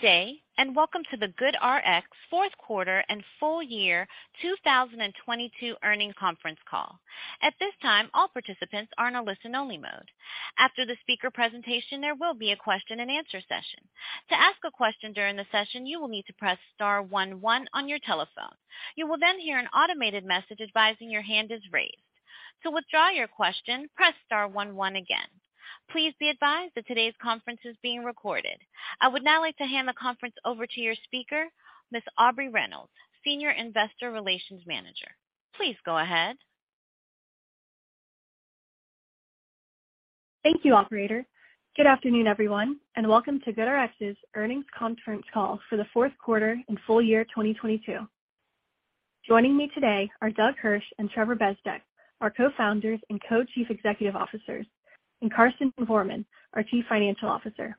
Good day and welcome to the GoodRx fourth quarter and full year 2022 earnings conference call. At this time, all participants are in a listen-only mode. After the speaker presentation, there will be a question and answer session. To ask a question during the session, you will need to press star one one on your telephone. You will then hear an automated message advising your hand is raised. To withdraw your question, press star one one again. Please be advised that today's conference is being recorded. I would now like to hand the conference over to your speaker, Ms. Aubrey Reynolds, Senior Investor Relations Manager. Please go ahead. Thank you operator. Good afternoon everyone and welcome to GoodRx's earnings conference call for the fourth quarter and full year 2022. Joining me today are Doug Hirsch and Trevor Bezdek, our co-founders and Co-Chief Executive Officers, and Karsten Voermann, our Chief Financial Officer.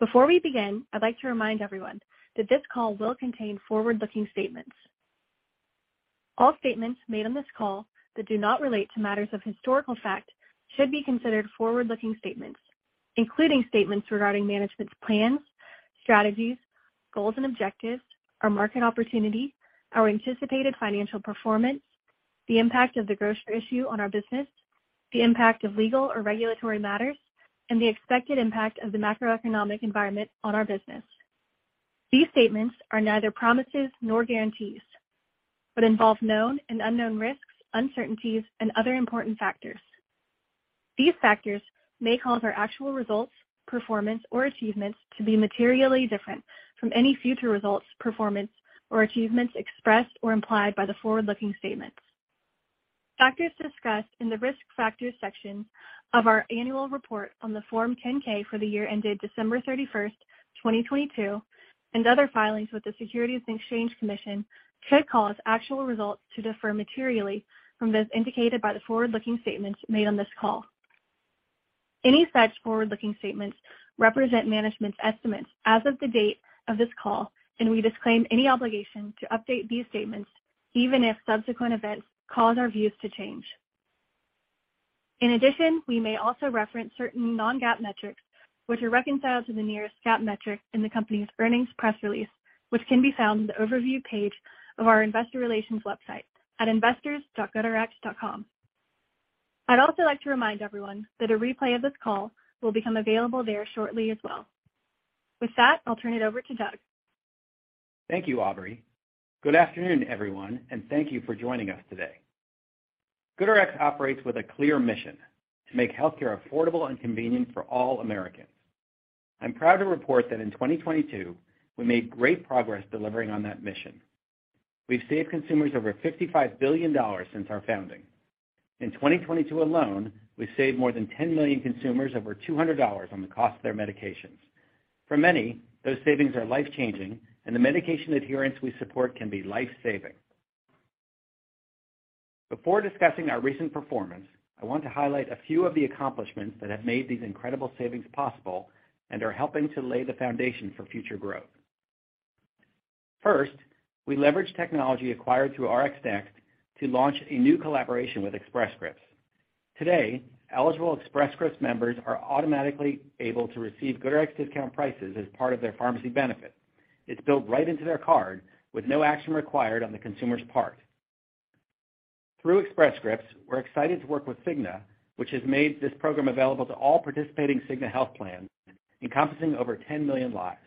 Before we begin, I'd like to remind everyone that this call will contain forward-looking statements. All statements made on this call that do not relate to matters of historical fact should be considered forward-looking statements, including statements regarding management's plans, strategies, goals and objectives, our market opportunity, our anticipated financial performance, the impact of the grocer issue on our business, the impact of legal or regulatory matters, and the expected impact of the macroeconomic environment on our business. These statements are neither promises nor guarantees, but involve known and unknown risks, uncertainties and other important factors. These factors may cause our actual results, performance or achievements to be materially different from any future results, performance or achievements expressed or implied by the forward-looking statements. Factors discussed in the Risk Factors section of our annual report on the Form 10-K for the year ended December 31st, 2022, and other filings with the Securities and Exchange Commission could cause actual results to differ materially from those indicated by the forward-looking statements made on this call. Any such forward-looking statements represent management's estimates as of the date of this call, and we disclaim any obligation to update these statements even if subsequent events cause our views to change. In addition, we may also reference certain non-GAAP metrics, which are reconciled to the nearest GAAP metric in the company's earnings press release, which can be found in the overview page of our investor relations website at investors.goodrx.com. I'd also like to remind everyone that a replay of this call will become available there shortly as well. With that, I'll turn it over to Doug. Thank you Aubrey. Good afternoon, everyone, and thank you for joining us today. GoodRx operates with a clear mission: to make healthcare affordable and convenient for all Americans. I'm proud to report that in 2022 we made great progress delivering on that mission. We've saved consumers over $55 billion since our founding. In 2022 alone, we saved more than 10 million consumers over $200 on the cost of their medications. For many, those savings are life-changing, and the medication adherence we support can be life-saving. Before discussing our recent performance, I want to highlight a few of the accomplishments that have made these incredible savings possible and are helping to lay the foundation for future growth. First, we leveraged technology acquired through RxNext to launch a new collaboration with Express Scripts. Today, eligible Express Scripts members are automatically able to receive GoodRx discount prices as part of their pharmacy benefit. It's built right into their card with no action required on the consumer's part. Through Express Scripts, we're excited to work with Cigna, which has made this program available to all participating Cigna health plans, encompassing over 10 million lives.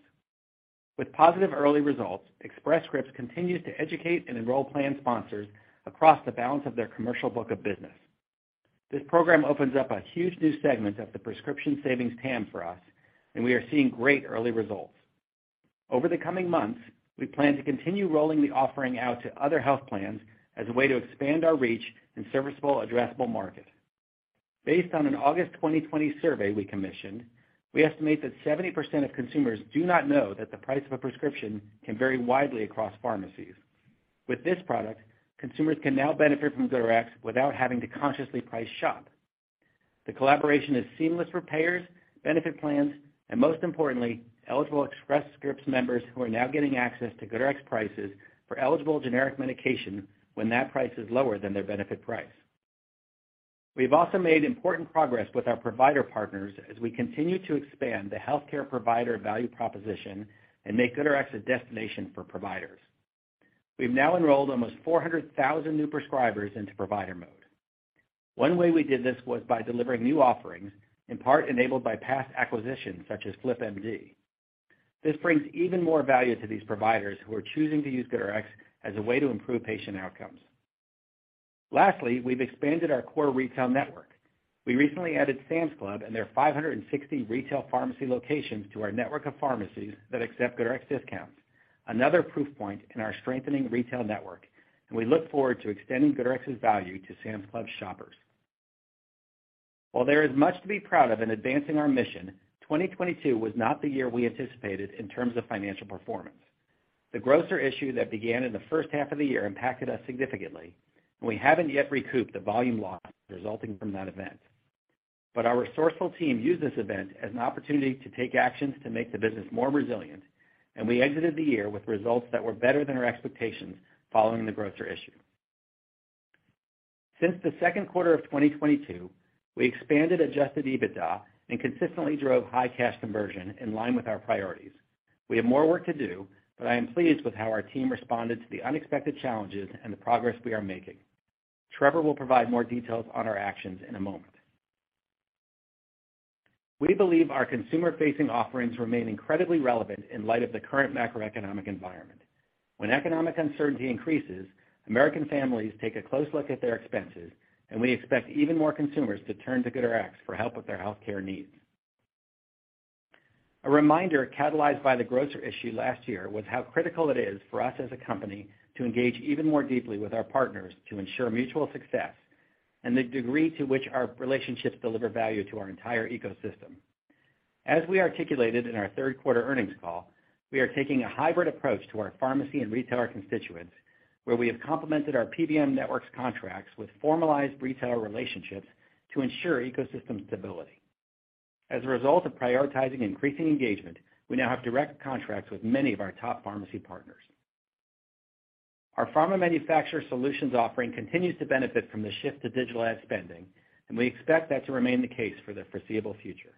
With positive early results, Express Scripts continues to educate and enroll plan sponsors across the balance of their commercial book of business. This program opens up a huge new segment of the prescription savings TAM for us, and we are seeing great early results. Over the coming months, we plan to continue rolling the offering out to other health plans as a way to expand our reach in serviceable addressable market. Based on an August 2020 survey we commissioned, we estimate that 70% of consumers do not know that the price of a prescription can vary widely across pharmacies. With this product, consumers can now benefit from GoodRx without having to consciously price shop. The collaboration is seamless for payers, benefit plans and, most importantly, eligible Express Scripts members who are now getting access to GoodRx prices for eligible generic medication when that price is lower than their benefit price. We've also made important progress with our provider partners as we continue to expand the healthcare provider value proposition and make GoodRx a destination for providers. We've now enrolled almost 400,000 new prescribers into Provider Mode. One way we did this was by delivering new offerings, in part enabled by past acquisitions such as flipMD. This brings even more value to these providers who are choosing to use GoodRx as a way to improve patient outcomes. Lastly, we've expanded our core retail network. We recently added Sam's Club and their 560 retail pharmacy locations to our network of pharmacies that accept GoodRx discounts. Another proof point in our strengthening retail network, and we look forward to extending GoodRx's value to Sam's Club shoppers. While there is much to be proud of in advancing our mission, 2022 was not the year we anticipated in terms of financial performance. The grocer issue that began in the first half of the year impacted us significantly, and we haven't yet recouped the volume loss resulting from that event. Our resourceful team used this event as an opportunity to take actions to make the business more resilient, and we exited the year with results that were better than our expectations following the Grocer issue. Since the second quarter of 2022, we expanded Adjusted EBITDA and consistently drove high cash conversion in line with our priorities. We have more work to do, but I am pleased with how our team responded to the unexpected challenges and the progress we are making. Trevor will provide more details on our actions in a moment. We believe our consumer facing offerings remain incredibly relevant in light of the current macroeconomic environment. When economic uncertainty increases, American families take a close look at their expenses, and we expect even more consumers to turn to GoodRx for help with their healthcare needs. A reminder catalyzed by the grocer issue last year was how critical it is for us as a company to engage even more deeply with our partners to ensure mutual success and the degree to which our relationships deliver value to our entire ecosystem. As we articulated in our third quarter earnings call, we are taking a hybrid approach to our pharmacy and retailer constituents, where we have complemented our PBM networks contracts with formalized retailer relationships to ensure ecosystem stability. As a result of prioritizing increasing engagement, we now have direct contracts with many of our top pharmacy partners. Our Pharma Manufacturer Solutions offering continues to benefit from the shift to digital ad spending. We expect that to remain the case for the foreseeable future.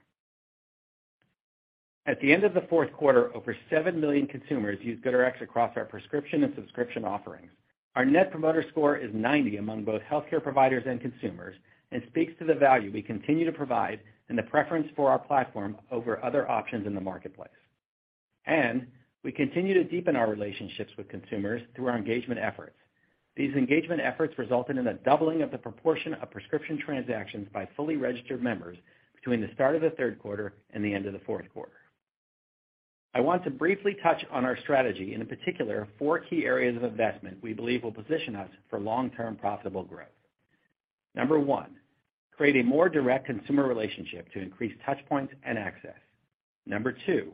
At the end of the fourth quarter, over 7 million consumers used GoodRx across our prescription and subscription offerings. Our net promoter score is 90 among both healthcare providers and consumers and speaks to the value we continue to provide and the preference for our platform over other options in the marketplace. We continue to deepen our relationships with consumers through our engagement efforts. These engagement efforts resulted in a doubling of the proportion of prescription transactions by fully registered members between the start of the third quarter and the end of the fourth quarter. I want to briefly touch on our strategy, in particular, four key areas of investment we believe will position us for long-term profitable growth. Number one, create a more direct consumer relationship to increase touchpoints and access. Number two,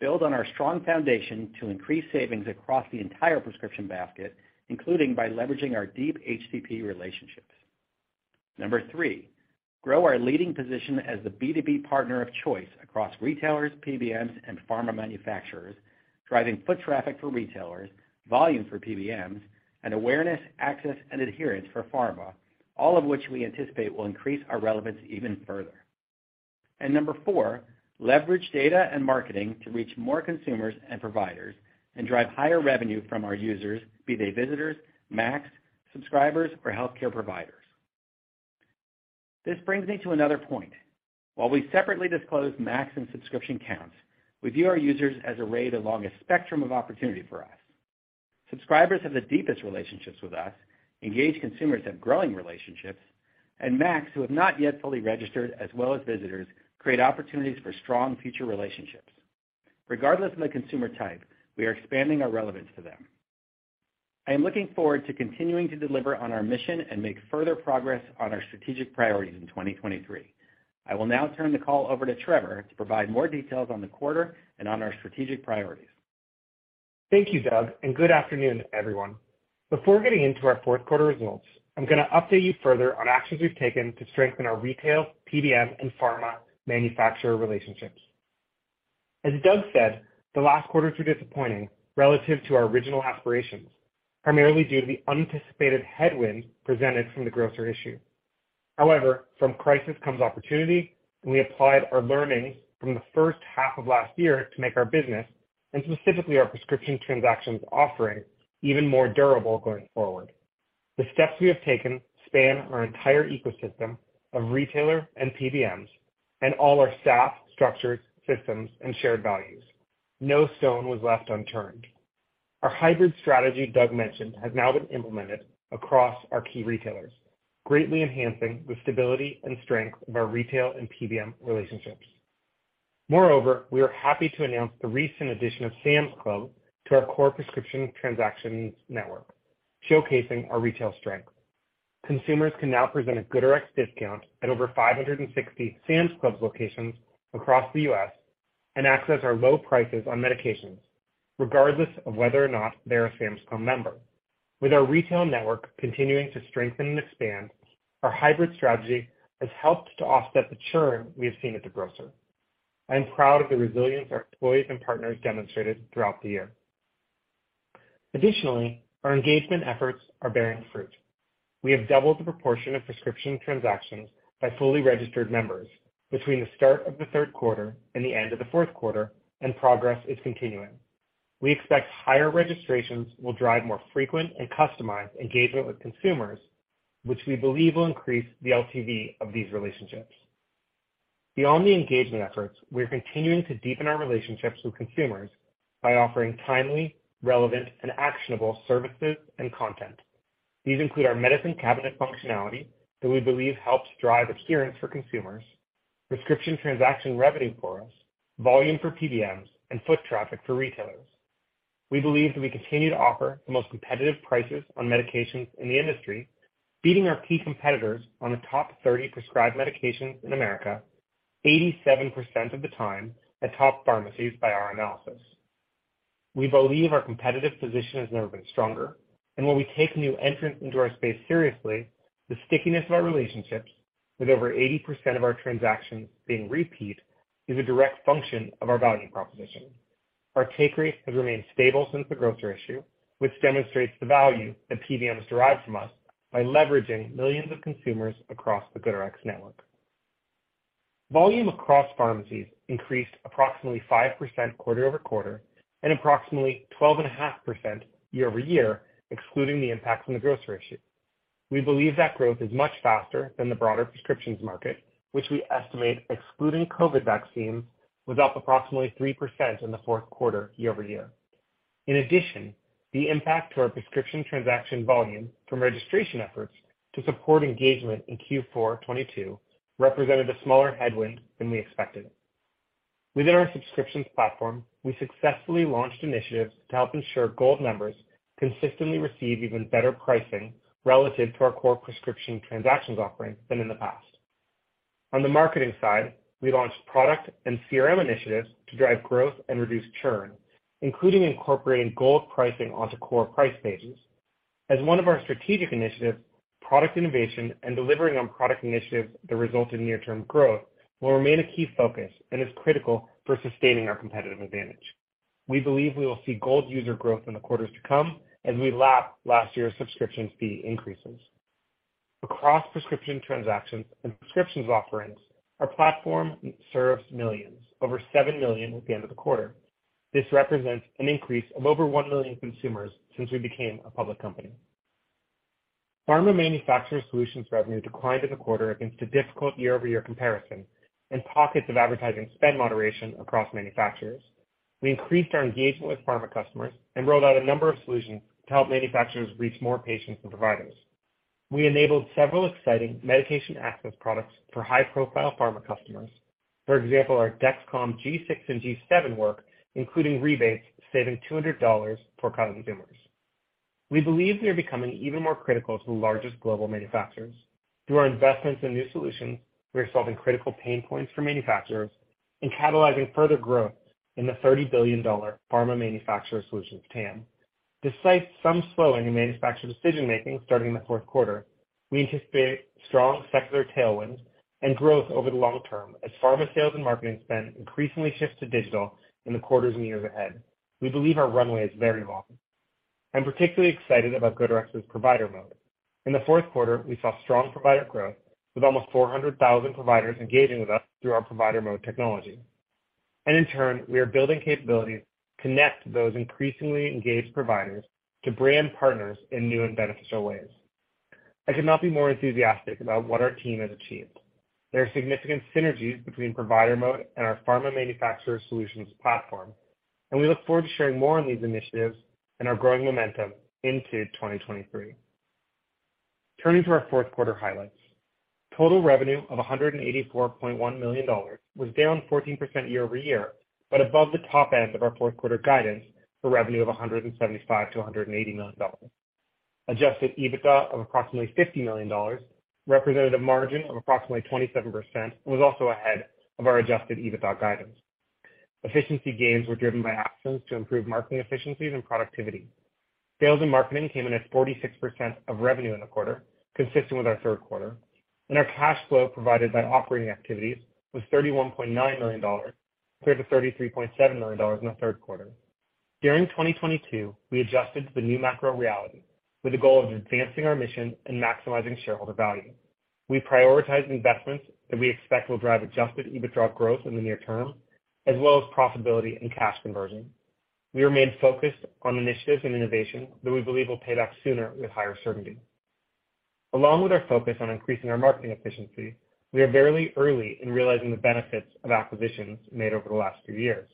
build on our strong foundation to increase savings across the entire prescription basket, including by leveraging our deep HCP relationships. Number three, grow our leading position as the B2B partner of choice across retailers, PBMs, and pharma manufacturers, driving foot traffic for retailers, volume for PBMs, and awareness, access, and adherence for pharma, all of which we anticipate will increase our relevance even further. Number four, leverage data and marketing to reach more consumers and providers and drive higher revenue from our users, be they visitors, max, subscribers, or healthcare providers. This brings me to another point. While we separately disclose max and subscription counts, we view our users as arrayed along a spectrum of opportunity for us. Subscribers have the deepest relationships with us, engaged consumers have growing relationships, and max who have not yet fully registered, as well as visitors, create opportunities for strong future relationships. Regardless of the consumer type, we are expanding our relevance to them. I am looking forward to continuing to deliver on our mission and make further progress on our strategic priorities in 2023. I will now turn the call over to Trevor to provide more details on the quarter and on our strategic priorities. Thank you Doug and good afternoon everyone. Before getting into our fourth quarter results, I'm gonna update you further on actions we've taken to strengthen our retail, PBM, and pharma manufacturer relationships. As Doug said, the last quarter was disappointing relative to our original aspirations, primarily due to the unanticipated headwind presented from the grocer issue. However, from crisis comes opportunity, and we applied our learnings from the first half of last year to make our business, and specifically our prescription transactions offering, even more durable going forward. The steps we have taken span our entire ecosystem of retailer and PBMs and all our staff, structures, systems, and shared values. No stone was left unturned. Our hybrid strategy Doug mentioned has now been implemented across our key retailers, greatly enhancing the stability and strength of our retail and PBM relationships. We are happy to announce the recent addition of Sam's Club to our core prescription transactions network, showcasing our retail strength. Consumers can now present a GoodRx discount at over 560 Sam's Club locations across the U.S. and access our low prices on medications regardless of whether or not they're a Sam's Club member. Our retail network continuing to strengthen and expand, our hybrid strategy has helped to offset the churn we have seen at the grocer. I am proud of the resilience our employees and partners demonstrated throughout the year. Our engagement efforts are bearing fruit. We have doubled the proportion of prescription transactions by fully registered members between the start of the third quarter and the end of the fourth quarter, progress is continuing. We expect higher registrations will drive more frequent and customized engagement with consumers, which we believe will increase the LTV of these relationships. Beyond the engagement efforts, we are continuing to deepen our relationships with consumers by offering timely, relevant, and actionable services and content. These include our Medicine Cabinet functionality that we believe helps drive adherence for consumers, prescription transaction revenue for us, volume for PBMs, and foot traffic for retailers. We believe that we continue to offer the most competitive prices on medications in the industry, beating our key competitors on the top 30 prescribed medications in America 87% of the time at top pharmacies by our analysis. We believe our competitive position has never been stronger. While we take new entrants into our space seriously, the stickiness of our relationships with over 80% of our transactions being repeat is a direct function of our value proposition. Our take rate has remained stable since the grocer issue, which demonstrates the value that PBMs derive from us by leveraging millions of consumers across the GoodRx network. Volume across pharmacies increased approximately 5% quarter-over-quarter and approximately 12.5% year-over-year, excluding the impact from the grocer issue. We believe that growth is much faster than the broader prescriptions market, which we estimate, excluding COVID vaccines, was up approximately 3% in the fourth quarter year-over-year. In addition, the impact to our prescription transaction volume from registration efforts to support engagement in Q4 2022 represented a smaller headwind than we expected. Within our subscriptions platform, we successfully launched initiatives to help ensure Gold members consistently receive even better pricing relative to our core prescription transactions offerings than in the past. On the marketing side, we launched product and CRM initiatives to drive growth and reduce churn, including incorporating Gold pricing onto core price pages. One of our strategic initiatives, product innovation and delivering on product initiatives that result in near-term growth will remain a key focus and is critical for sustaining our competitive advantage. We believe we will see Gold user growth in the quarters to come as we lap last year's subscriptions fee increases. Across prescription transactions and prescriptions offerings, our platform serves millions, over 7 million at the end of the quarter. This represents an increase of over 1 million consumers since we became a public company. Pharma Manufacturer Solutions revenue declined in the quarter against a difficult year-over-year comparison and pockets of advertising spend moderation across manufacturers. We increased our engagement with pharma customers and rolled out a number of solutions to help manufacturers reach more patients and providers. We enabled several exciting medication access products for high-profile pharma customers. For example, our Dexcom G6 and G7 work, including rebates, saving $200 for consumers. We believe we are becoming even more critical to the largest global manufacturers. Through our investments in new solutions, we are solving critical pain points for manufacturers and catalyzing further growth in the $30 billion Pharma Manufacturer Solutions TAM. Despite some slowing in manufacturer decision-making starting in the fourth quarter, we anticipate strong secular tailwinds and growth over the long term as pharma sales and marketing spend increasingly shifts to digital in the quarters and years ahead. We believe our runway is very long. I'm particularly excited about GoodRx's Provider Mode. In the fourth quarter, we saw strong provider growth, with almost 400,000 providers engaging with us through our Provider Mode technology. In turn, we are building capabilities to connect those increasingly engaged providers to brand partners in new and beneficial ways. I could not be more enthusiastic about what our team has achieved. There are significant synergies between Provider Mode and our Pharma Manufacturer Solutions platform, we look forward to sharing more on these initiatives and our growing momentum into 2023. Turning to our fourth quarter highlights. Total revenue of $184.1 million was down 14% year-over-year, above the top end of our fourth quarter guidance for revenue of $175 million-$180 million. Adjusted EBITDA of approximately $50 million represented a margin of approximately 27% and was also ahead of our Adjusted EBITDA guidance. Efficiency gains were driven by actions to improve marketing efficiencies and productivity. Sales and marketing came in at 46% of revenue in the quarter, consistent with our third quarter, and our cash flow provided by operating activities was $31.9 million compared to $33.7 million in the third quarter. During 2022, we adjusted to the new macro reality with the goal of advancing our mission and maximizing shareholder value. We prioritized investments that we expect will drive Adjusted EBITDA growth in the near term, as well as profitability and cash conversion. We remained focused on initiatives and innovation that we believe will pay back sooner with higher certainty. Along with our focus on increasing our marketing efficiency, we are very early in realizing the benefits of acquisitions made over the last few years,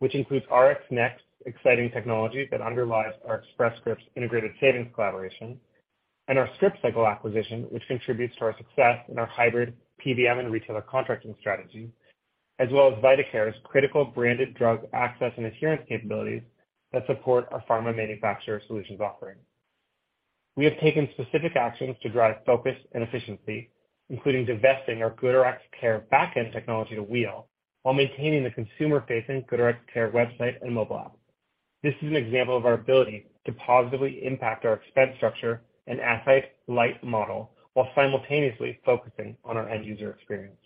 which includes RxNext's exciting technology that underlies our Express Scripts integrated savings collaboration and our Scriptcycle acquisition, which contributes to our success in our hybrid PBM and retailer contracting strategy, as well as vitaCare's critical branded drug access and adherence capabilities that support our Pharma Manufacturer Solutions offering. We have taken specific actions to drive focus and efficiency, including divesting our GoodRx Care backend technology to Wheel while maintaining the consumer-facing GoodRx Care website and mobile app. This is an example of our ability to positively impact our expense structure and asset-light model while simultaneously focusing on our end user experience.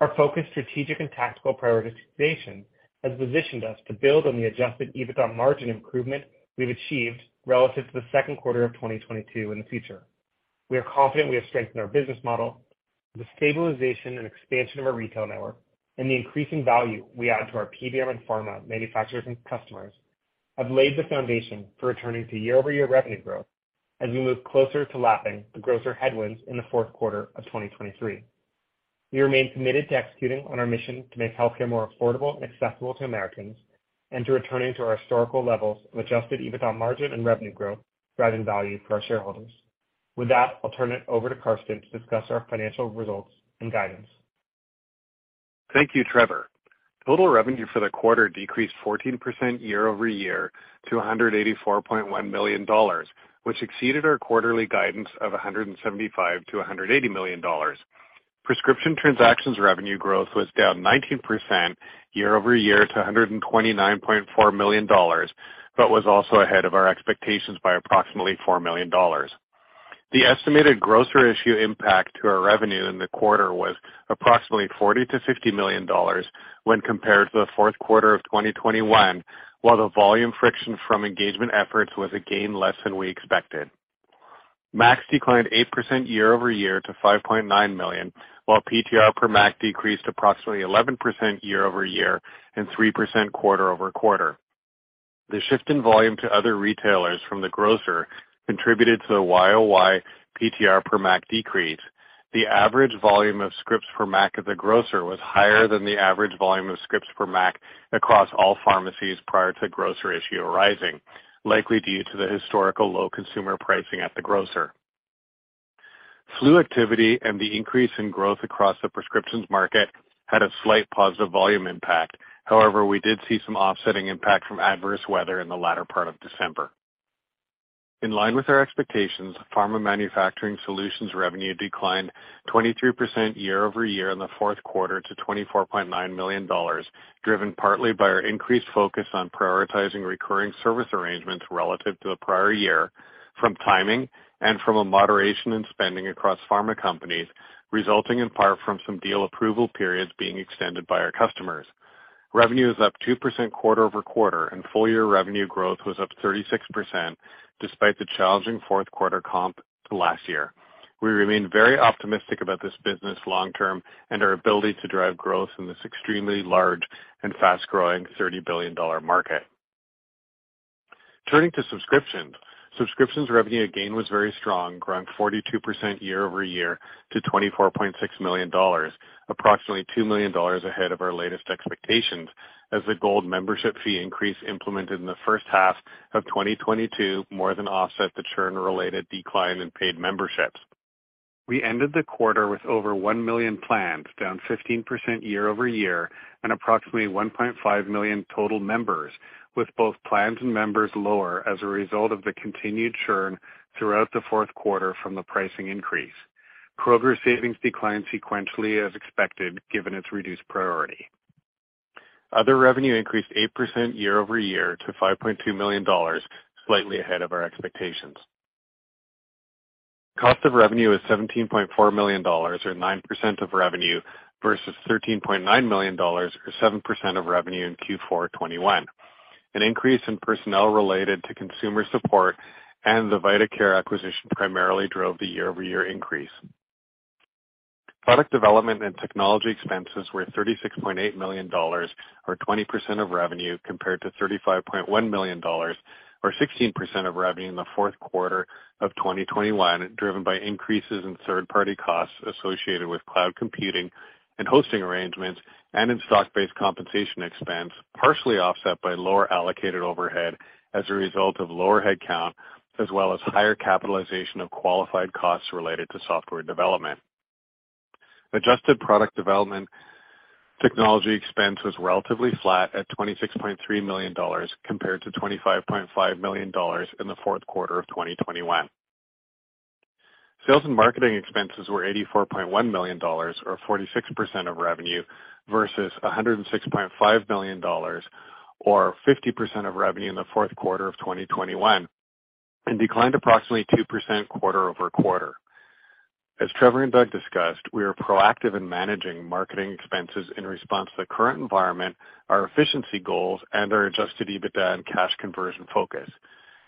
Our focused strategic and tactical prioritization has positioned us to build on the Adjusted EBITDA margin improvement we've achieved relative to the second quarter of 2022 in the future. We are confident we have strengthened our business model. The stabilization and expansion of our retail network and the increasing value we add to our PBM and pharma manufacturers and customers have laid the foundation for returning to year-over-year revenue growth as we move closer to lapping the grocer headwinds in the fourth quarter of 2023. We remain committed to executing on our mission to make healthcare more affordable and accessible to Americans and to returning to our historical levels of Adjusted EBITDA margin and revenue growth, driving value for our shareholders. With that, I'll turn it over to Karsten to discuss our financial results and guidance. Thank you Trevor. Total revenue for the quarter decreased 14% year-over-year to $184.1 million, which exceeded our quarterly guidance of $175 million-$180 million. Prescription transactions revenue growth was down 19% year-over-year to $129.4 million, was also ahead of our expectations by approximately $4 million. The estimated grocer issue impact to our revenue in the quarter was approximately $40 million-$50 million when compared to the fourth quarter of 2021, while the volume friction from engagement efforts was again less than we expected. MACs declined 8% year-over-year to 5.9 million, while PTR per MAC decreased approximately 11% year-over-year and 3% quarter-over-quarter. The shift in volume to other retailers from the grocer contributed to the YOY PTR per MAC decrease. The average volume of scripts per MAC at the grocer was higher than the average volume of scripts per MAC across all pharmacies prior to the grocer issue arising, likely due to the historical low consumer pricing at the grocer. Flu activity and the increase in growth across the prescriptions market had a slight positive volume impact. We did see some offsetting impact from adverse weather in the latter part of December. In line with our expectations, Pharma Manufacturer Solutions revenue declined 23% year-over-year in the fourth quarter to $24.9 million, driven partly by our increased focus on prioritizing recurring service arrangements relative to the prior year from timing and from a moderation in spending across pharma companies, resulting in part from some deal approval periods being extended by our customers. Revenue is up 2% quarter-over-quarter, and full year revenue growth was up 36% despite the challenging fourth quarter comp to last year. We remain very optimistic about this business long term and our ability to drive growth in this extremely large and fast-growing $30 billion market. Turning to subscriptions. Subscriptions revenue again was very strong, growing 42% year-over-year to $24.6 million, approximately $2 million ahead of our latest expectations, as the GoodRx Gold membership fee increase implemented in the first half of 2022 more than offset the churn-related decline in paid memberships. We ended the quarter with over 1 million plans, down 15% year-over-year, and approximately 1.5 million total members, with both plans and members lower as a result of the continued churn throughout the fourth quarter from the pricing increase. Kroger Rx Savings Club declined sequentially as expected, given its reduced priority. Other revenue increased 8% year-over-year to $5.2 million, slightly ahead of our expectations. Cost of revenue is $17.4 million or 9% of revenue versus $13.9 million or 7% of revenue in Q4 2021. An increase in personnel related to consumer support and the vitaCare acquisition primarily drove the year-over-year increase. Product development and technology expenses were $36.8 million or 20% of revenue compared to $35.1 million or 16% of revenue in the fourth quarter of 2021, driven by increases in third-party costs associated with cloud computing and hosting arrangements and in stock-based compensation expense, partially offset by lower allocated overhead as a result of lower headcount, as well as higher capitalization of qualified costs related to software development. Adjusted product development technology expense was relatively flat at $26.3 million compared to $25.5 million in the fourth quarter of 2021. Sales and marketing expenses were $84.1 million or 46% of revenue versus $106.5 million or 50% of revenue in the fourth quarter of 2021, and declined approximately 2% quarter-over-quarter. As Trevor and Doug discussed, we are proactive in managing marketing expenses in response to the current environment, our efficiency goals, and our Adjusted EBITDA and cash conversion focus.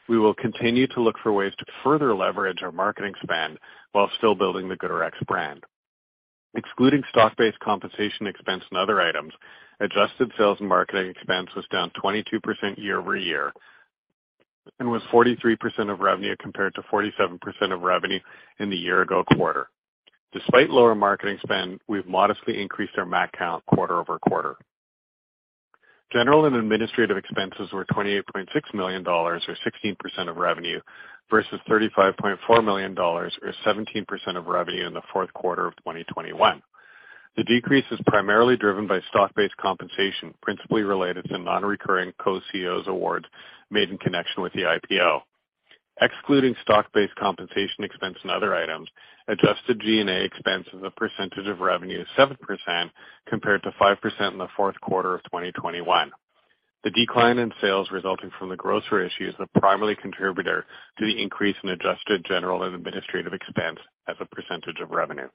We will continue to look for ways to further leverage our marketing spend while still building the GoodRx brand. Excluding stock-based compensation expense and other items, adjusted sales and marketing expense was down 22% year-over-year and was 43% of revenue compared to 47% of revenue in the year ago quarter. Despite lower marketing spend, we've modestly increased our MAC count quarter-over-quarter. General and administrative expenses were $28.6 million or 16% of revenue versus $35.4 million or 17% of revenue in the fourth quarter of 2021. The decrease is primarily driven by stock-based compensation, principally related to non-recurring co-CEOs awards made in connection with the IPO. Excluding stock-based compensation expense and other items, adjusted G&A expense as a percentage of revenue is 7% compared to 5% in the fourth quarter of 2021. The decline in sales resulting from the Kroger issue is the primary contributor to the increase in adjusted general and administrative expense as a percentage of revenue.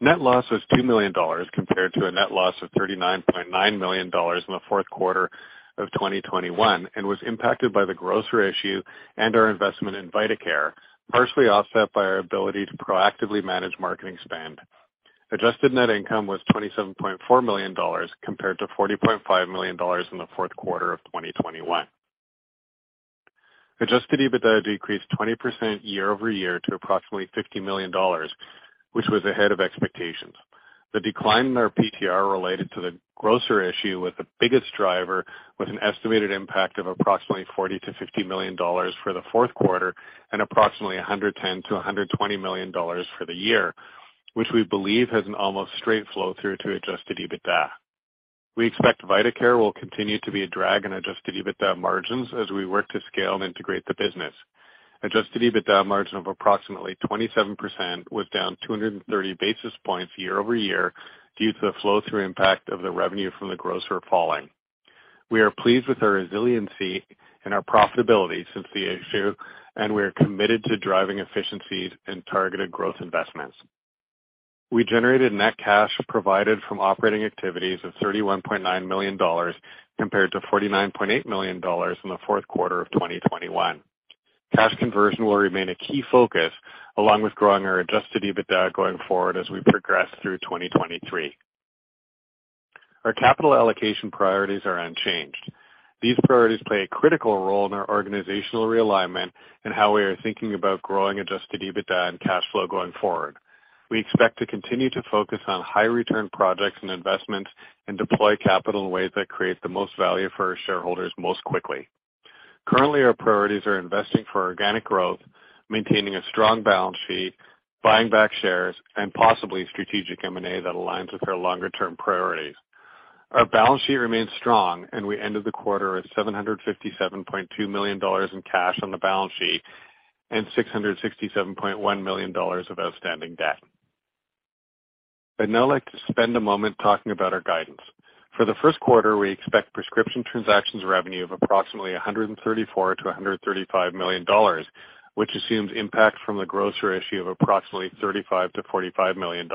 Net loss was $2 million compared to a net loss of $39.9 million in the fourth quarter of 2021 and was impacted by the Kroger issue and our investment in vitaCare, partially offset by our ability to proactively manage marketing spend. Adjusted net income was $27.4 million compared to $40.5 million in the fourth quarter of 2021. Adjusted EBITDA decreased 20% year-over-year to approximately $50 million, which was ahead of expectations. The decline in our PTR related to the grocer issue was the biggest driver with an estimated impact of approximately $40 million-$50 million for the fourth quarter and approximately $110 million-$120 million for the year, which we believe has an almost straight flow through to Adjusted EBITDA. We expect vitaCare will continue to be a drag in Adjusted EBITDA margins as we work to scale and integrate the business. Adjusted EBITDA margin of approximately 27% was down 230 basis points year-over-year due to the flow-through impact of the revenue from the grocer falling. We are pleased with our resiliency and our profitability since the issue, and we are committed to driving efficiencies and targeted growth investments. We generated net cash provided from operating activities of $31.9 million compared to $49.8 million in the fourth quarter of 2021. Cash conversion will remain a key focus, along with growing our Adjusted EBITDA going forward as we progress through 2023. Our capital allocation priorities are unchanged. These priorities play a critical role in our organizational realignment and how we are thinking about growing Adjusted EBITDA and cash flow going forward. We expect to continue to focus on high return projects and investments and deploy capital in ways that create the most value for our shareholders most quickly. Currently, our priorities are investing for organic growth, maintaining a strong balance sheet, buying back shares, and possibly strategic M&A that aligns with our longer-term priorities. Our balance sheet remains strong, and we ended the quarter at $757.2 million in cash on the balance sheet and $667.1 million of outstanding debt. I'd now like to spend a moment talking about our guidance. For the first quarter, we expect prescription transactions revenue of approximately $134 million-$135 million, which assumes impact from the grocer issue of approximately $35 million-$45 million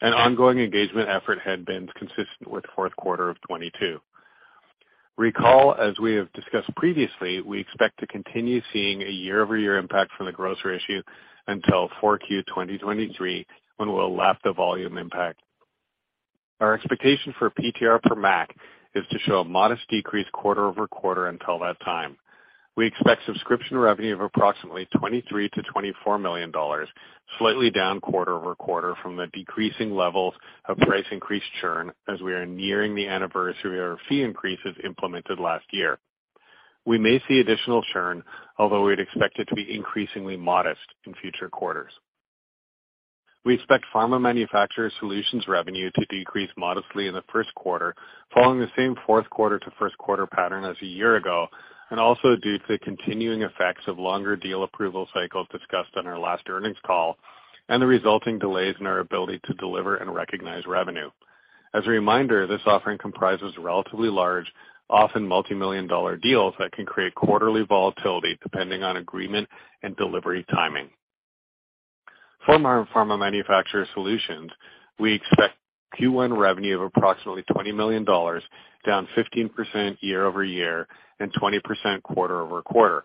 and ongoing engagement effort headwind consistent with Q4 2022. Recall, as we have discussed previously, we expect to continue seeing a year-over-year impact from the grocer issue until Q4 2023, when we'll lap the volume impact. Our expectation for PTR per MAC is to show a modest decrease quarter-over-quarter until that time. We expect subscription revenue of approximately $23 million-$24 million, slightly down quarter-over-quarter from the decreasing levels of price increase churn as we are nearing the anniversary of our fee increases implemented last year. We may see additional churn, although we'd expect it to be increasingly modest in future quarters. We expect Pharma Manufacturer Solutions revenue to decrease modestly in the first quarter, following the same fourth quarter to first quarter pattern as a year ago, and also due to the continuing effects of longer deal approval cycles discussed on our last earnings call and the resulting delays in our ability to deliver and recognize revenue. As a reminder, this offering comprises relatively large, often multi-million dollar deals that can create quarterly volatility depending on agreement and delivery timing. From our Pharma Manufacturer Solutions, we expect Q1 revenue of approximately $20 million, down 15% year-over-year and 20% quarter-over-quarter.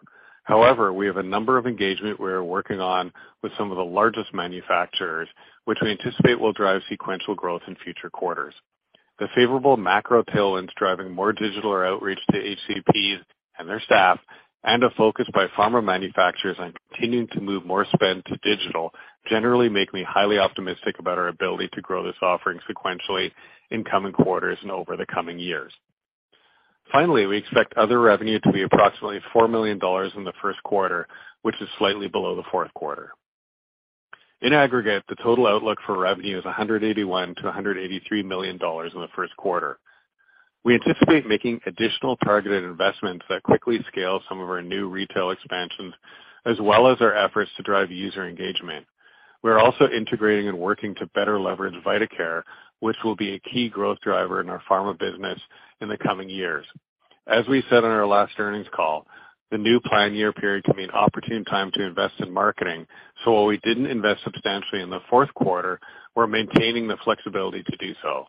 We have a number of engagement we are working on with some of the largest manufacturers, which we anticipate will drive sequential growth in future quarters. The favorable macro tailwinds driving more digital outreach to HCPs and their staff and a focus by pharma manufacturers on continuing to move more spend to digital generally make me highly optimistic about our ability to grow this offering sequentially in coming quarters and over the coming years. We expect other revenue to be approximately $4 million in the first quarter, which is slightly below the fourth quarter. In aggregate, the total outlook for revenue is $181 million-$183 million in the first quarter. We anticipate making additional targeted investments that quickly scale some of our new retail expansions as well as our efforts to drive user engagement. We're also integrating and working to better leverage vitaCare, which will be a key growth driver in our pharma business in the coming years. As we said on our last earnings call, the new plan year period can be an opportune time to invest in marketing. While we didn't invest substantially in the fourth quarter, we're maintaining the flexibility to do so.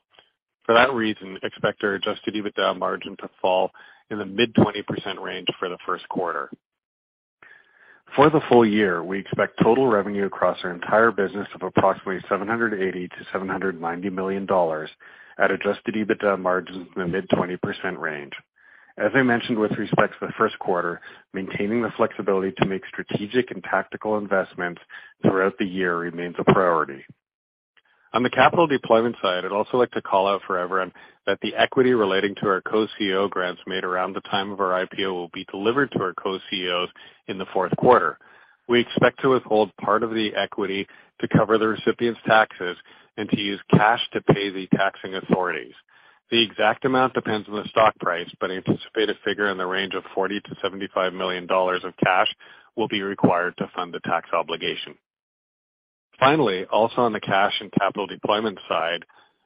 For that reason, expect our Adjusted EBITDA margin to fall in the mid 20% range for the first quarter. For the full year, we expect total revenue across our entire business of approximately $780 million-$790 million at Adjusted EBITDA margins in the mid 20% range. As I mentioned with respect to the first quarter, maintaining the flexibility to make strategic and tactical investments throughout the year remains a priority. On the capital deployment side, I'd also like to call out for everyone that the equity relating to our co-CEO grants made around the time of our IPO will be delivered to our co-CEOs in the fourth quarter. We expect to withhold part of the equity to cover the recipient's taxes and to use cash to pay the taxing authorities. The exact amount depends on the stock price, but anticipate a figure in the range of $40 million-$75 million of cash will be required to fund the tax obligation. Finally, also on the cash and capital deployment side,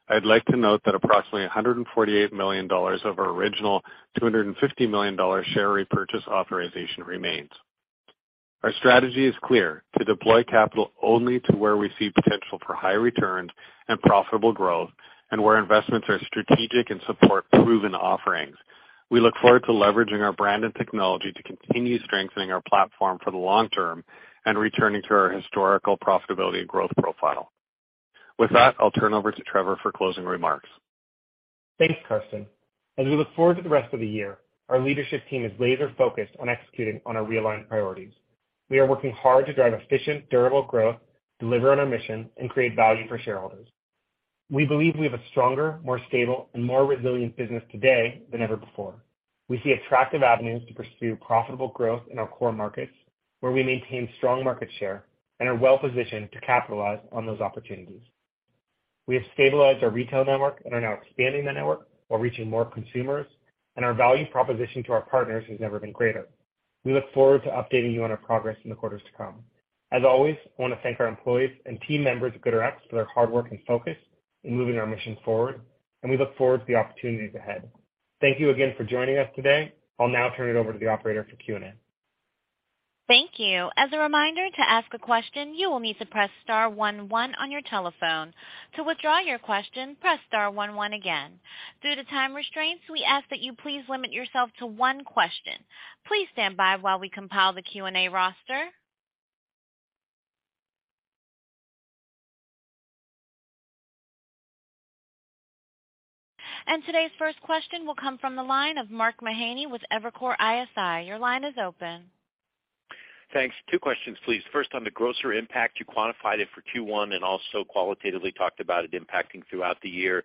I'd like to note that approximately $148 million of our original $250 million share repurchase authorization remains. Our strategy is clear: To deploy capital only to where we see potential for high returns and profitable growth and where investments are strategic and support proven offerings. We look forward to leveraging our brand and technology to continue strengthening our platform for the long term and returning to our historical profitability and growth profile. With that, I'll turn over to Trevor for closing remarks. Thanks Karsten. As we look forward to the rest of the year, our leadership team is laser-focused on executing on our realigned priorities. We are working hard to drive efficient, durable growth, deliver on our mission, and create value for shareholders. We believe we have a stronger, more stable, and more resilient business today than ever before. We see attractive avenues to pursue profitable growth in our core markets, where we maintain strong market share and are well-positioned to capitalize on those opportunities. We have stabilized our retail network and are now expanding the network while reaching more consumers, and our value proposition to our partners has never been greater. We look forward to updating you on our progress in the quarters to come. As always, I want to thank our employees and team members at GoodRx for their hard work and focus in moving our mission forward, and we look forward to the opportunities ahead. Thank you again for joining us today. I'll now turn it over to the operator for Q&A. Thank you. As a reminder, to ask a question, you will need to press star one one on your telephone. To withdraw your question, press star one one again. Due to time restraints, we ask that you please limit yourself to one question. Please stand by while we compile the Q&A roster. Today's first question will come from the line of Mark Mahaney with Evercore ISI. Your line is open. Thanks. Two questions please. First, on the grocer impact, you quantified it for Q1 and also qualitatively talked about it impacting throughout the year.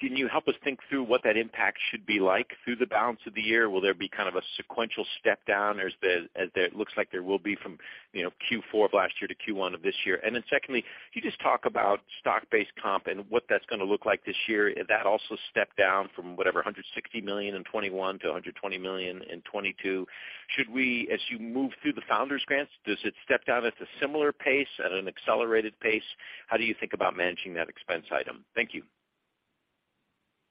Can you help us think through what that impact should be like through the balance of the year? Will there be kind of a sequential step down as the, as it looks like there will be from Q4 of last year to Q1 of this year? Secondly, can you just talk about stock-based comp and what that's gonna look like this year. That also stepped down from $160 million in 2021 to $120 million in 2022. Should we, as you move through the founders grants, does it step down at a similar pace, at an accelerated pace? How do you think about managing that expense item? Thank you.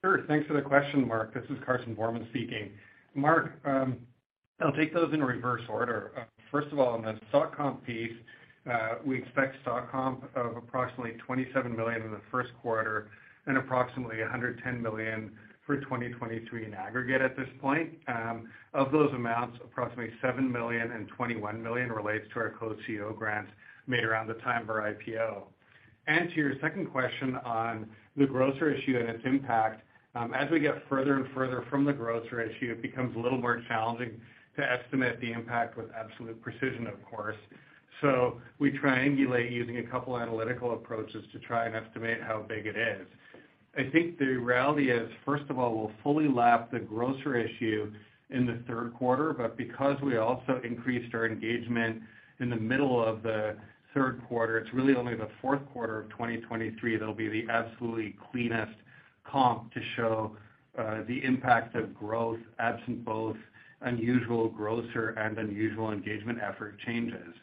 Sure. Thanks for the question Mark. This is Karsten Voermann speaking. Mark, I'll take those in reverse order. First of all, on the stock comp piece, we expect stock comp of approximately $27 million in the first quarter and approximately $110 million for 2023 in aggregate at this point. Of those amounts, approximately $7 million and $21 million relates to our co-CEO grants made around the time of our IPO. To your second question on the grocer issue and its impact, as we get further and further from the grocer issue, it becomes a little more challenging to estimate the impact with absolute precision, of course. We triangulate using a couple analytical approaches to try and estimate how big it is. I think the reality is, first of all, we'll fully lap the grocer issue in the third quarter, but because we also increased our engagement in the middle of the third quarter, it's really only the fourth quarter of 2023 that'll be the absolutely cleanest comp to show the impact of growth absent both unusual grocer and unusual engagement effort changes.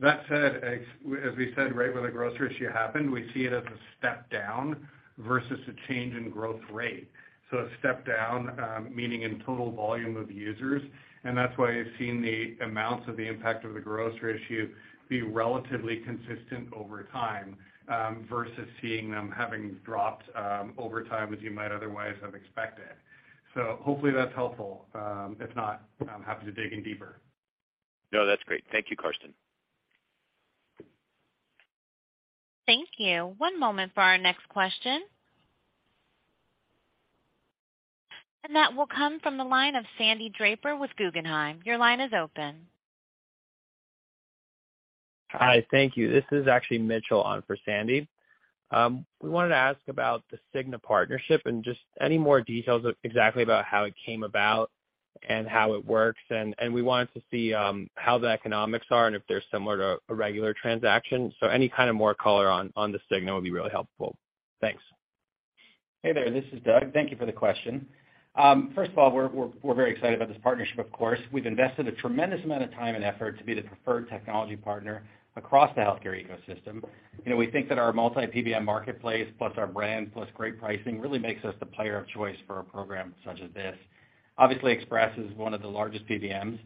That said, as we said right when the grocer issue happened, we see it as a step down versus a change in growth rate. A step down, meaning in total volume of users, and that's why you've seen the amounts of the impact of the grocer issue be relatively consistent over time, versus seeing them having dropped, over time as you might otherwise have expected. Hopefully that's helpful. If not, I'm happy to dig in deeper. No that's great. Thank you Karsten. Thank you. One moment for our next question. That will come from the line of Sandy Draper with Guggenheim. Your line is open. Hi. Thank you. This is actually Mitchell on for Sandy. We wanted to ask about the Cigna partnership and just any more details exactly about how it came about and how it works. We wanted to see how the economics are and if they're similar to a regular transaction. Any kind of more color on the Cigna would be really helpful. Thanks. Hey there. This is Doug. Thank you for the question. First of all, we're very excited about this partnership, of course. We've invested a tremendous amount of time and effort to be the preferred technology partner across the healthcare ecosystem. You know, we think that our multi PBM marketplace plus our brand plus great pricing really makes us the player of choice for a program such as this. Obviously, Express is one of the largest PBMs.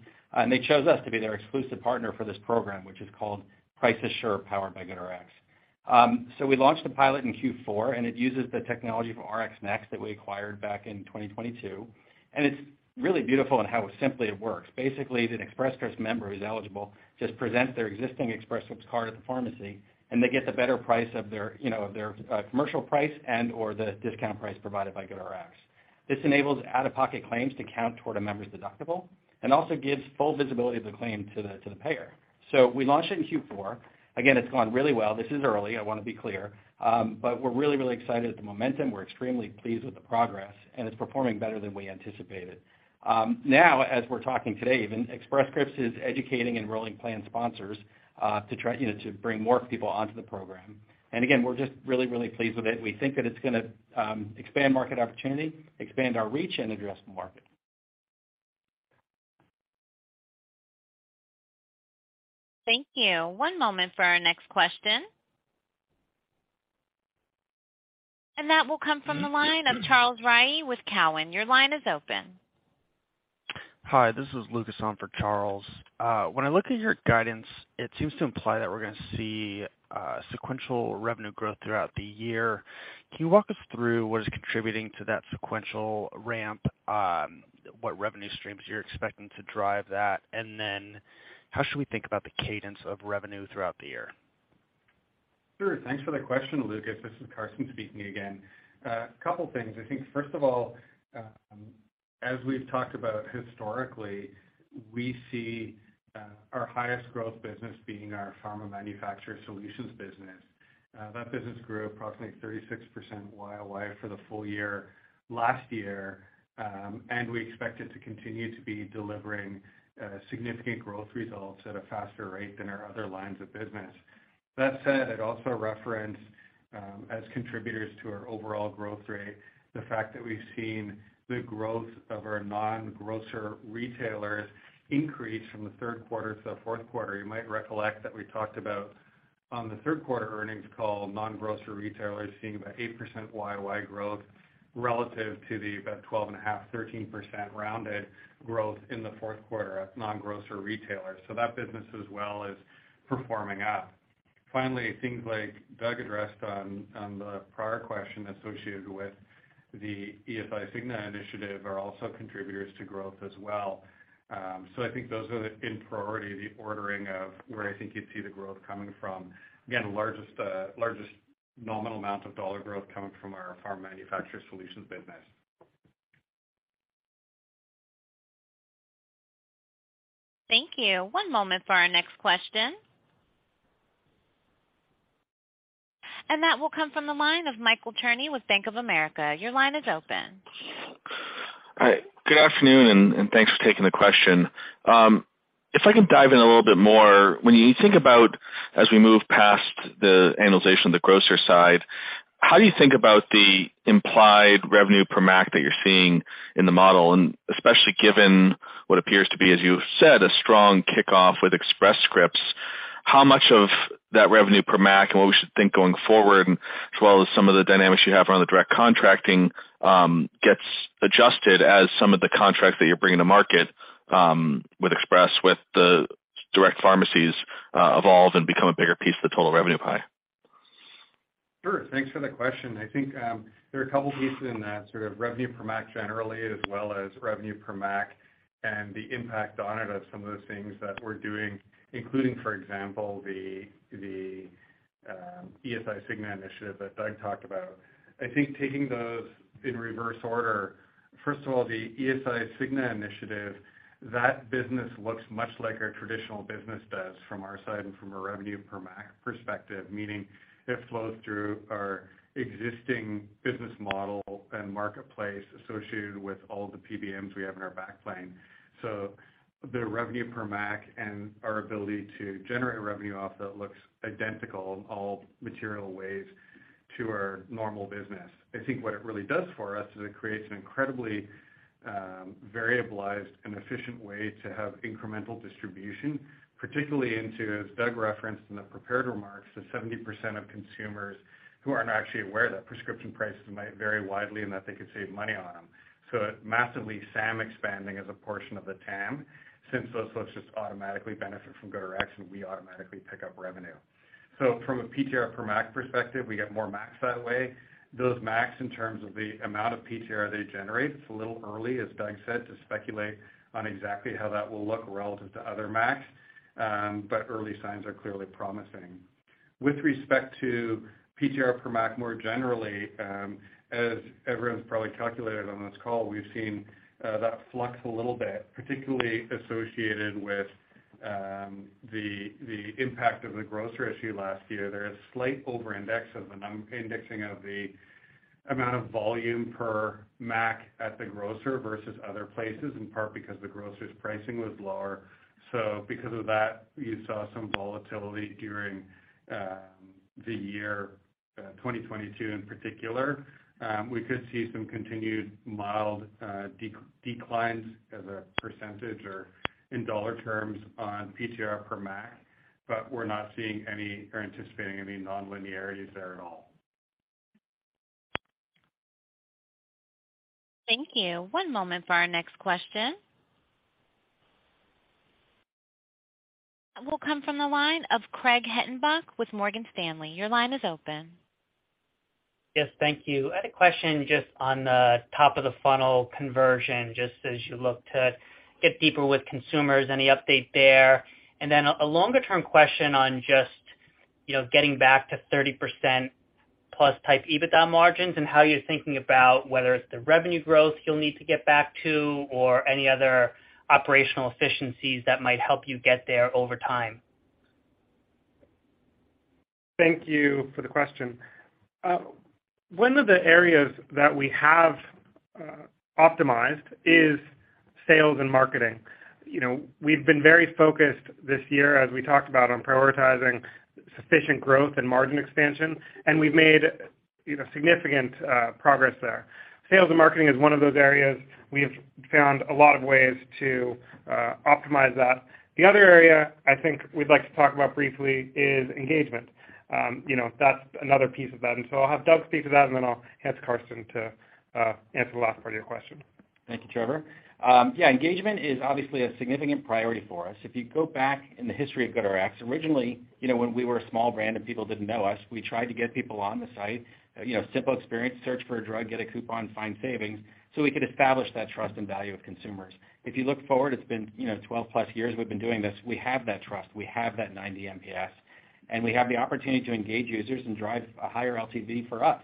They chose us to be their exclusive partner for this program, which is called Price Assure powered by GoodRx. We launched the pilot in Q4. It uses the technology of RxNext that we acquired back in 2022, and it's really beautiful in how simply it works. Basically, an Express Scripts member who's eligible just presents their existing Express Scripts card at the pharmacy, and they get the better price of their, you know, of their commercial price and/or the discount price provided by GoodRx. We launched it in Q4. Again, it's gone really well. This is early, I wanna be clear. We're really, really excited at the momentum. We're extremely pleased with the progress, and it's performing better than we anticipated. Now as we're talking today even, Express Scripts is educating enrolling plan sponsors to try, you know, to bring more people onto the program. Again, we're just really, really pleased with it. We think that it's gonna, expand market opportunity, expand our reach and address the market. Thank you. One moment for our next question. That will come from the line of Charles Rhyee with Cowen. Your line is open. Hi this is Lucas on for Charles. When I look at your guidance, it seems to imply that we're gonna see sequential revenue growth throughout the year. Can you walk us through what is contributing to that sequential ramp? What revenue streams you're expecting to drive that? How should we think about the cadence of revenue throughout the year? Sure. Thanks for the question Lucas. This is Karsten speaking again. A couple things. I think first of all, as we've talked about historically, we see our highest growth business being our Pharma Manufacturer Solutions business. That business grew approximately 36% Y-o-Y for the full year last year, and we expect it to continue to be delivering significant growth results at a faster rate than our other lines of business. That said, I'd also reference, as contributors to our overall growth rate, the fact that we've seen the growth of our non-grocer retailers increase from the third quarter to the fourth quarter. You might recollect that we talked about on the third quarter earnings call, non-grocer retailers seeing about 8% Y-o-Y growth relative to the about 12.5%, 13% rounded growth in the fourth quarter of non-grocer retailers. That business as well is performing up. Finally, things like Doug addressed on the prior question associated with the ESI Cigna initiative are also contributors to growth as well. I think those are the, in priority, the ordering of where I think you'd see the growth coming from. Again, largest nominal amount of dollar growth coming from our Pharma Manufacturer Solutions business. Thank you. One moment for our next question. That will come from the line of Michael Cherny with Bank of America. Your line is open. All right. Good afternoon, and thanks for taking the question. If I could dive in a little bit more, when you think about as we move past the annualization of the grocer side, how do you think about the implied revenue per MAC that you're seeing in the model, and especially given what appears to be, as you've said, a strong kickoff with Express Scripts, how much of that revenue per MAC and what we should think going forward, as well as some of the dynamics you have around the direct contracting, gets adjusted as some of the contracts that you're bringing to market, with Express, with the direct pharmacies, evolve and become a bigger piece of the total revenue pie? Sure. Thanks for the question. I think, there are a couple pieces in the sort of revenue per MAC generally, as well as revenue per MAC and the impact on it of some of those things that we're doing, including, for example, the ESI Cigna initiative that Doug talked about. I think taking those in reverse order, first of all, the ESI Cigna initiative, that business looks much like our traditional business does from our side and from a revenue per MAC perspective, meaning it flows through our existing business model and marketplace associated with all the PBMs we have in our back plane. The revenue per MAC and our ability to generate revenue off that looks identical in all material ways to our normal business. I think what it really does for us is it creates an incredibly variablized and efficient way to have incremental distribution, particularly into, as Doug referenced in the prepared remarks, the 70% of consumers who aren't actually aware that prescription prices might vary widely and that they could save money on them. It massively SAM expanding as a portion of the TAM since those folks just automatically benefit from GoodRx, and we automatically pick up revenue. From a PTR per MAC perspective, we get more MACs that way. Those MACs, in terms of the amount of PTR they generate, it's a little early, as Doug said, to speculate on exactly how that will look relative to other MACs, but early signs are clearly promising. With respect to PTR per MAC more generally, as everyone's probably calculated on this call, we've seen that flux a little bit, particularly associated with the impact of the grocer issue last year. There is slight over-indexing of the amount of volume per MAC at the grocer versus other places, in part because the grocer's pricing was lower. Because of that, you saw some volatility during the year 2022 in particular. We could see some continued mild declines as a % or in $ terms on PTR per MAC, but we're not seeing any or anticipating any non-linearities there at all. Thank you. One moment for our next question. That will come from the line of Craig Hettenbach with Morgan Stanley. Your line is open. Yes thank you. I had a question just on the top of the funnel conversion, just as you look to get deeper with consumers, any update there? Then a longer-term question on just, you know, getting back to 30% plus type EBITDA margins and how you're thinking about whether it's the revenue growth you'll need to get back to or any other operational efficiencies that might help you get there over time. Thank you for the question. One of the areas that we have optimized is sales and marketing. You know, we've been very focused this year, as we talked about, on prioritizing sufficient growth and margin expansion, and we've made, you know, significant progress there. Sales and marketing is one of those areas. We have found a lot of ways to optimize that. The other area I think we'd like to talk about briefly is engagement. You know, that's another piece of that. I'll have Doug speak to that, and then I'll hand to Karsten to answer the last part of your question. Thank you Trevor. Engagement is obviously a significant priority for us. If you go back in the history of GoodRx, originally, you know, when we were a small brand and people didn't know us, we tried to get people on the site, you know, simple experience, search for a drug, get a coupon, find savings, so we could establish that trust and value of consumers. If you look forward, it's been, you know, 12 plus years we've been doing this. We have that trust. We have that 90 NPS, and we have the opportunity to engage users and drive a higher LTV for us.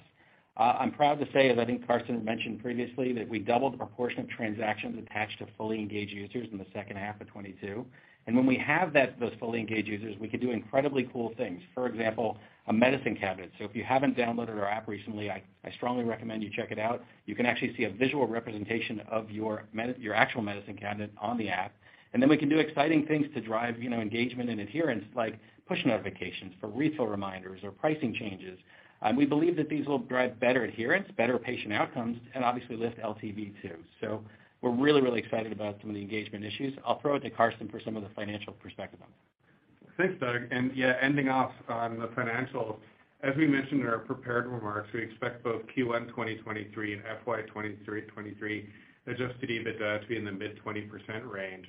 I'm proud to say, as I think Carsten mentioned previously, that we doubled the proportion of transactions attached to fully engaged users in the second half of 2022. When we have that, those fully engaged users, we can do incredibly cool things. For example, a Medicine Cabinet. If you haven't downloaded our app recently, I strongly recommend you check it out. You can actually see a visual representation of your actual Medicine Cabinet on the app. Then we can do exciting things to drive, you know, engagement and adherence, like push notifications for refill reminders or pricing changes. We believe that these will drive better adherence, better patient outcomes, and obviously lift LTV too. We're really excited about some of the engagement issues. I'll throw it to Karsten for some of the financial perspective on that. Thanks Doug. Yeah, ending off on the financials, as we mentioned in our prepared remarks, we expect both Q1 2023 and FY 2023 Adjusted EBITDA to be in the mid 20% range.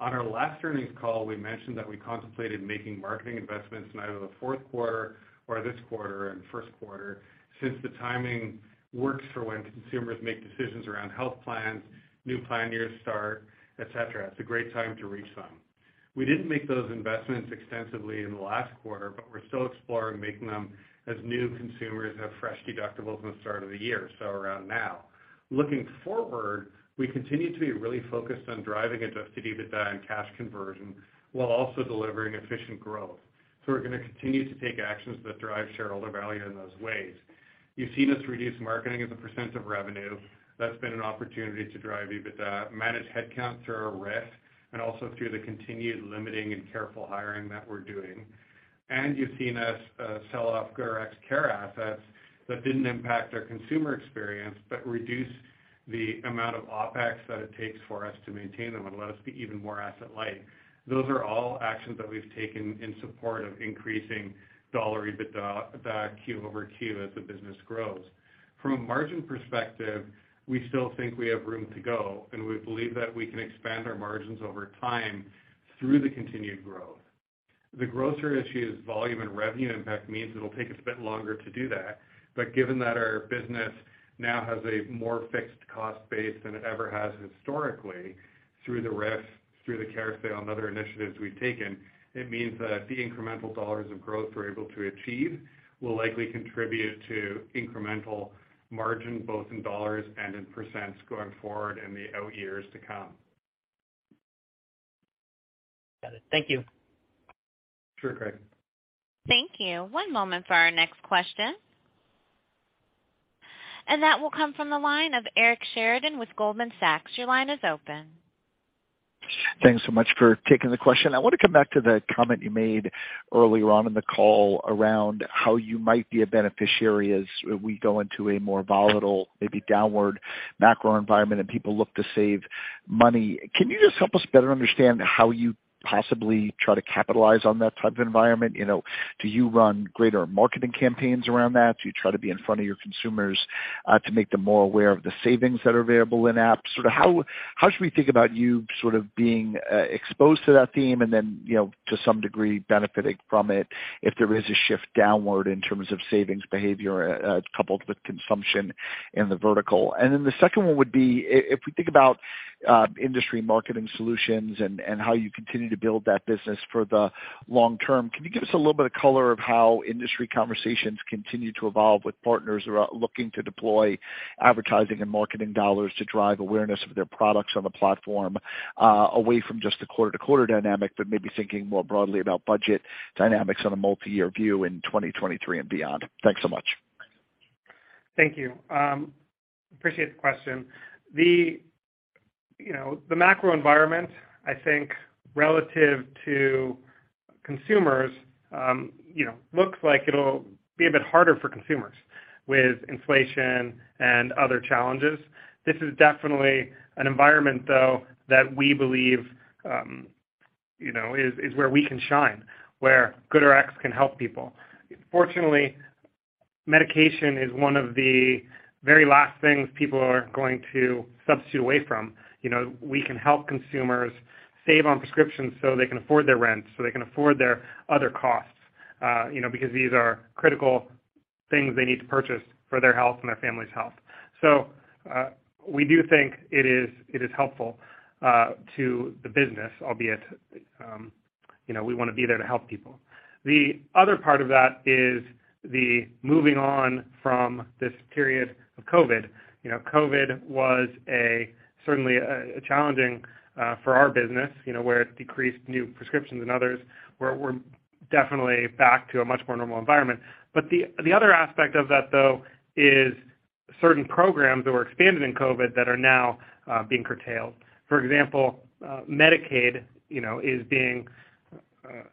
On our last earnings call, we mentioned that we contemplated making marketing investments in either the fourth quarter or this quarter and first quarter. Since the timing works for when consumers make decisions around health plans, new plan years start, et cetera, it's a great time to reach them. We didn't make those investments extensively in the last quarter, we're still exploring making them as new consumers have fresh deductibles in the start of the year, so around now. Looking forward, we continue to be really focused on driving Adjusted EBITDA and cash conversion while also delivering efficient growth. We're gonna continue to take actions that drive shareholder value in those ways. You've seen us reduce marketing as a percent of revenue. That's been an opportunity to drive EBITDA, manage headcount through our RIF, and also through the continued limiting and careful hiring that we're doing. You've seen us sell off GoodRx Care assets that didn't impact our consumer experience, but reduce the amount of OpEx that it takes for us to maintain them and let us be even more asset light. Those are all actions that we've taken in support of increasing dollar EBITDA quarter-over-quarter as the business grows. From a margin perspective, we still think we have room to go, and we believe that we can expand our margins over time through the continued growth. The grocer issue's volume and revenue impact means it'll take us a bit longer to do that. Given that our business now has a more fixed cost base than it ever has historically, through the RIFs, through the Care sale, and other initiatives we've taken, it means that the incremental dollars of growth we're able to achieve will likely contribute to incremental margin, both in dollars and in % going forward in the out years to come. Got it. Thank you. Sure, Craig. Thank you. One moment for our next question. That will come from the line of Eric Sheridan with Goldman Sachs. Your line is open. Thanks so much for taking the question. I want to come back to the comment you made earlier on in the call around how you might be a beneficiary as we go into a more volatile, maybe downward macro environment and people look to save money. Can you just help us better understand how you possibly try to capitalize on that type of environment? You know, do you run greater marketing campaigns around that? Do you try to be in front of your consumers to make them more aware of the savings that are available in app? Sort of how should we think about you sort of being exposed to that theme and then, you know, to some degree benefiting from it if there is a shift downward in terms of savings behavior coupled with consumption in the vertical? The second one would be if we think about industry marketing solutions and how you continue to build that business for the long term, can you give us a little bit of color of how industry conversations continue to evolve with partners who are looking to deploy advertising and marketing dollars to drive awareness of their products on the platform, away from just the quarter-to-quarter dynamic, but maybe thinking more broadly about budget dynamics on a multiyear view in 2023 and beyond? Thanks so much. Thank you. Appreciate the question. The, you know, the macro environment, I think, relative to consumers, you know, looks like it'll be a bit harder for consumers with inflation and other challenges. This is definitely an environment though, that we believe, you know, is where we can shine, where GoodRx can help people. Fortunately, medication is one of the very last things people are going to substitute away from. You know, we can help consumers save on prescriptions so they can afford their rent, so they can afford their other costs, you know, because these are critical things they need to purchase for their health and their family's health. We do think it is helpful to the business, albeit, you know, we wanna be there to help people. The other part of that is the moving on from this period of COVID. You know, COVID was certainly challenging for our business, you know, where it decreased new prescriptions and others, where we're definitely back to a much more normal environment. The other aspect of that, though, is certain programs that were expanded in COVID that are now being curtailed. For example, Medicaid, you know, is being,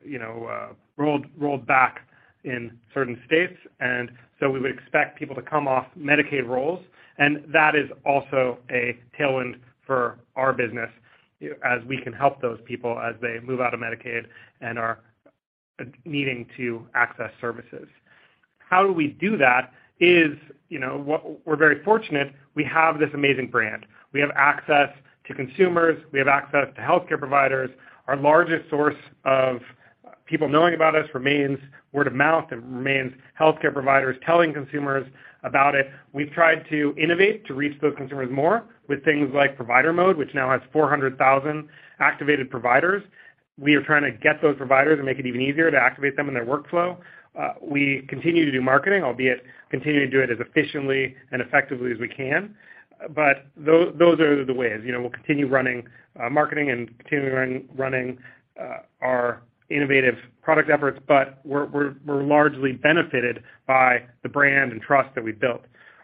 you know, rolled back in certain states, and so we would expect people to come off Medicaid rolls. That is also a tailwind for our business as we can help those people as they move out of Medicaid and are needing to access services. How we do that is, you know, we're very fortunate, we have this amazing brand. We have access to consumers, we have access to healthcare providers. Our largest source of people knowing about us remains word of mouth. It remains healthcare providers telling consumers about it. We've tried to innovate to reach those consumers more with things like Provider Mode, which now has 400,000 activated providers. We are trying to get those providers and make it even easier to activate them in their workflow. We continue to do marketing, albeit continue to do it as efficiently and effectively as we can. Those are the ways, you know, we'll continue running marketing and continue running our innovative product efforts, but we're, we're largely benefited by the brand and trust that we've built.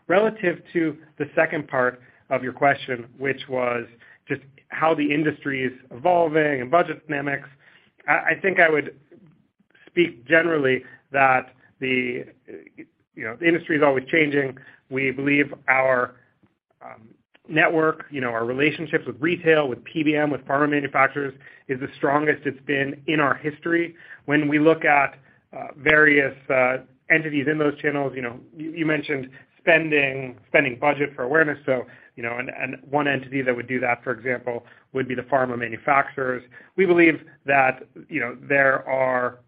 Relative to the second part of your question, which was just how the industry is evolving and budget dynamics, I think I would speak generally that the, you know, the industry is always changing. We believe our network, you know, our relationships with retail, with PBM, with pharma manufacturers is the strongest it's been in our history. When we look at various entities in those channels, you know, you mentioned spending budget for awareness. One entity that would do that, for example, would be the pharma manufacturers. We believe that, you know, there are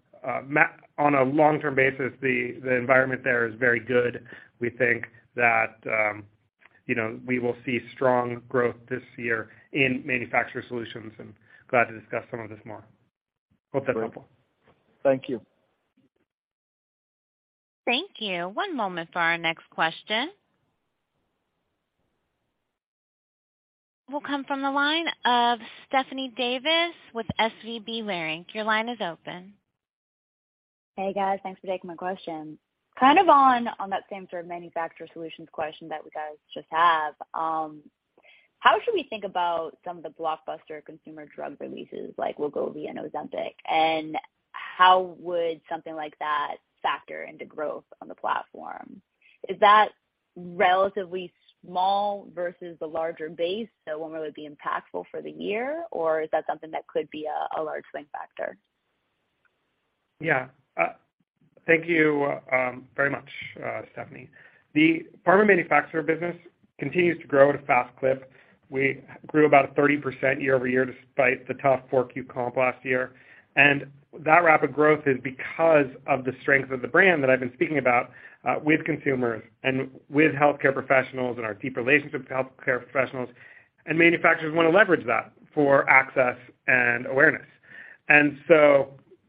on a long-term basis, the environment there is very good. We think that, you know, we will see strong growth this year in Pharma Manufacturer Solutions, and glad to discuss some of this more. Hope that helped. Thank you. Thank you. One moment for our next question. Will come from the line of Stephanie Davis with SVB Securities. Your line is open. Hey guys. Thanks for taking my question. Kind of on that same sort of Manufacturer Solutions question that we guys just had, how should we think about some of the blockbuster consumer drug releases like Wegovy and Ozempic, and how would something like that factor into growth on the platform? Is that relatively small versus the larger base, so it won't really be impactful for the year, or is that something that could be a large swing factor? Yeah. Thank you very much Stephanie. The Pharma Manufacturer business continues to grow at a fast clip. We grew about 30% year-over-year despite the tough 4Q comp last year. That rapid growth is because of the strength of the brand that I've been speaking about with consumers and with healthcare professionals and our deep relationships with healthcare professionals, and manufacturers wanna leverage that for access and awareness.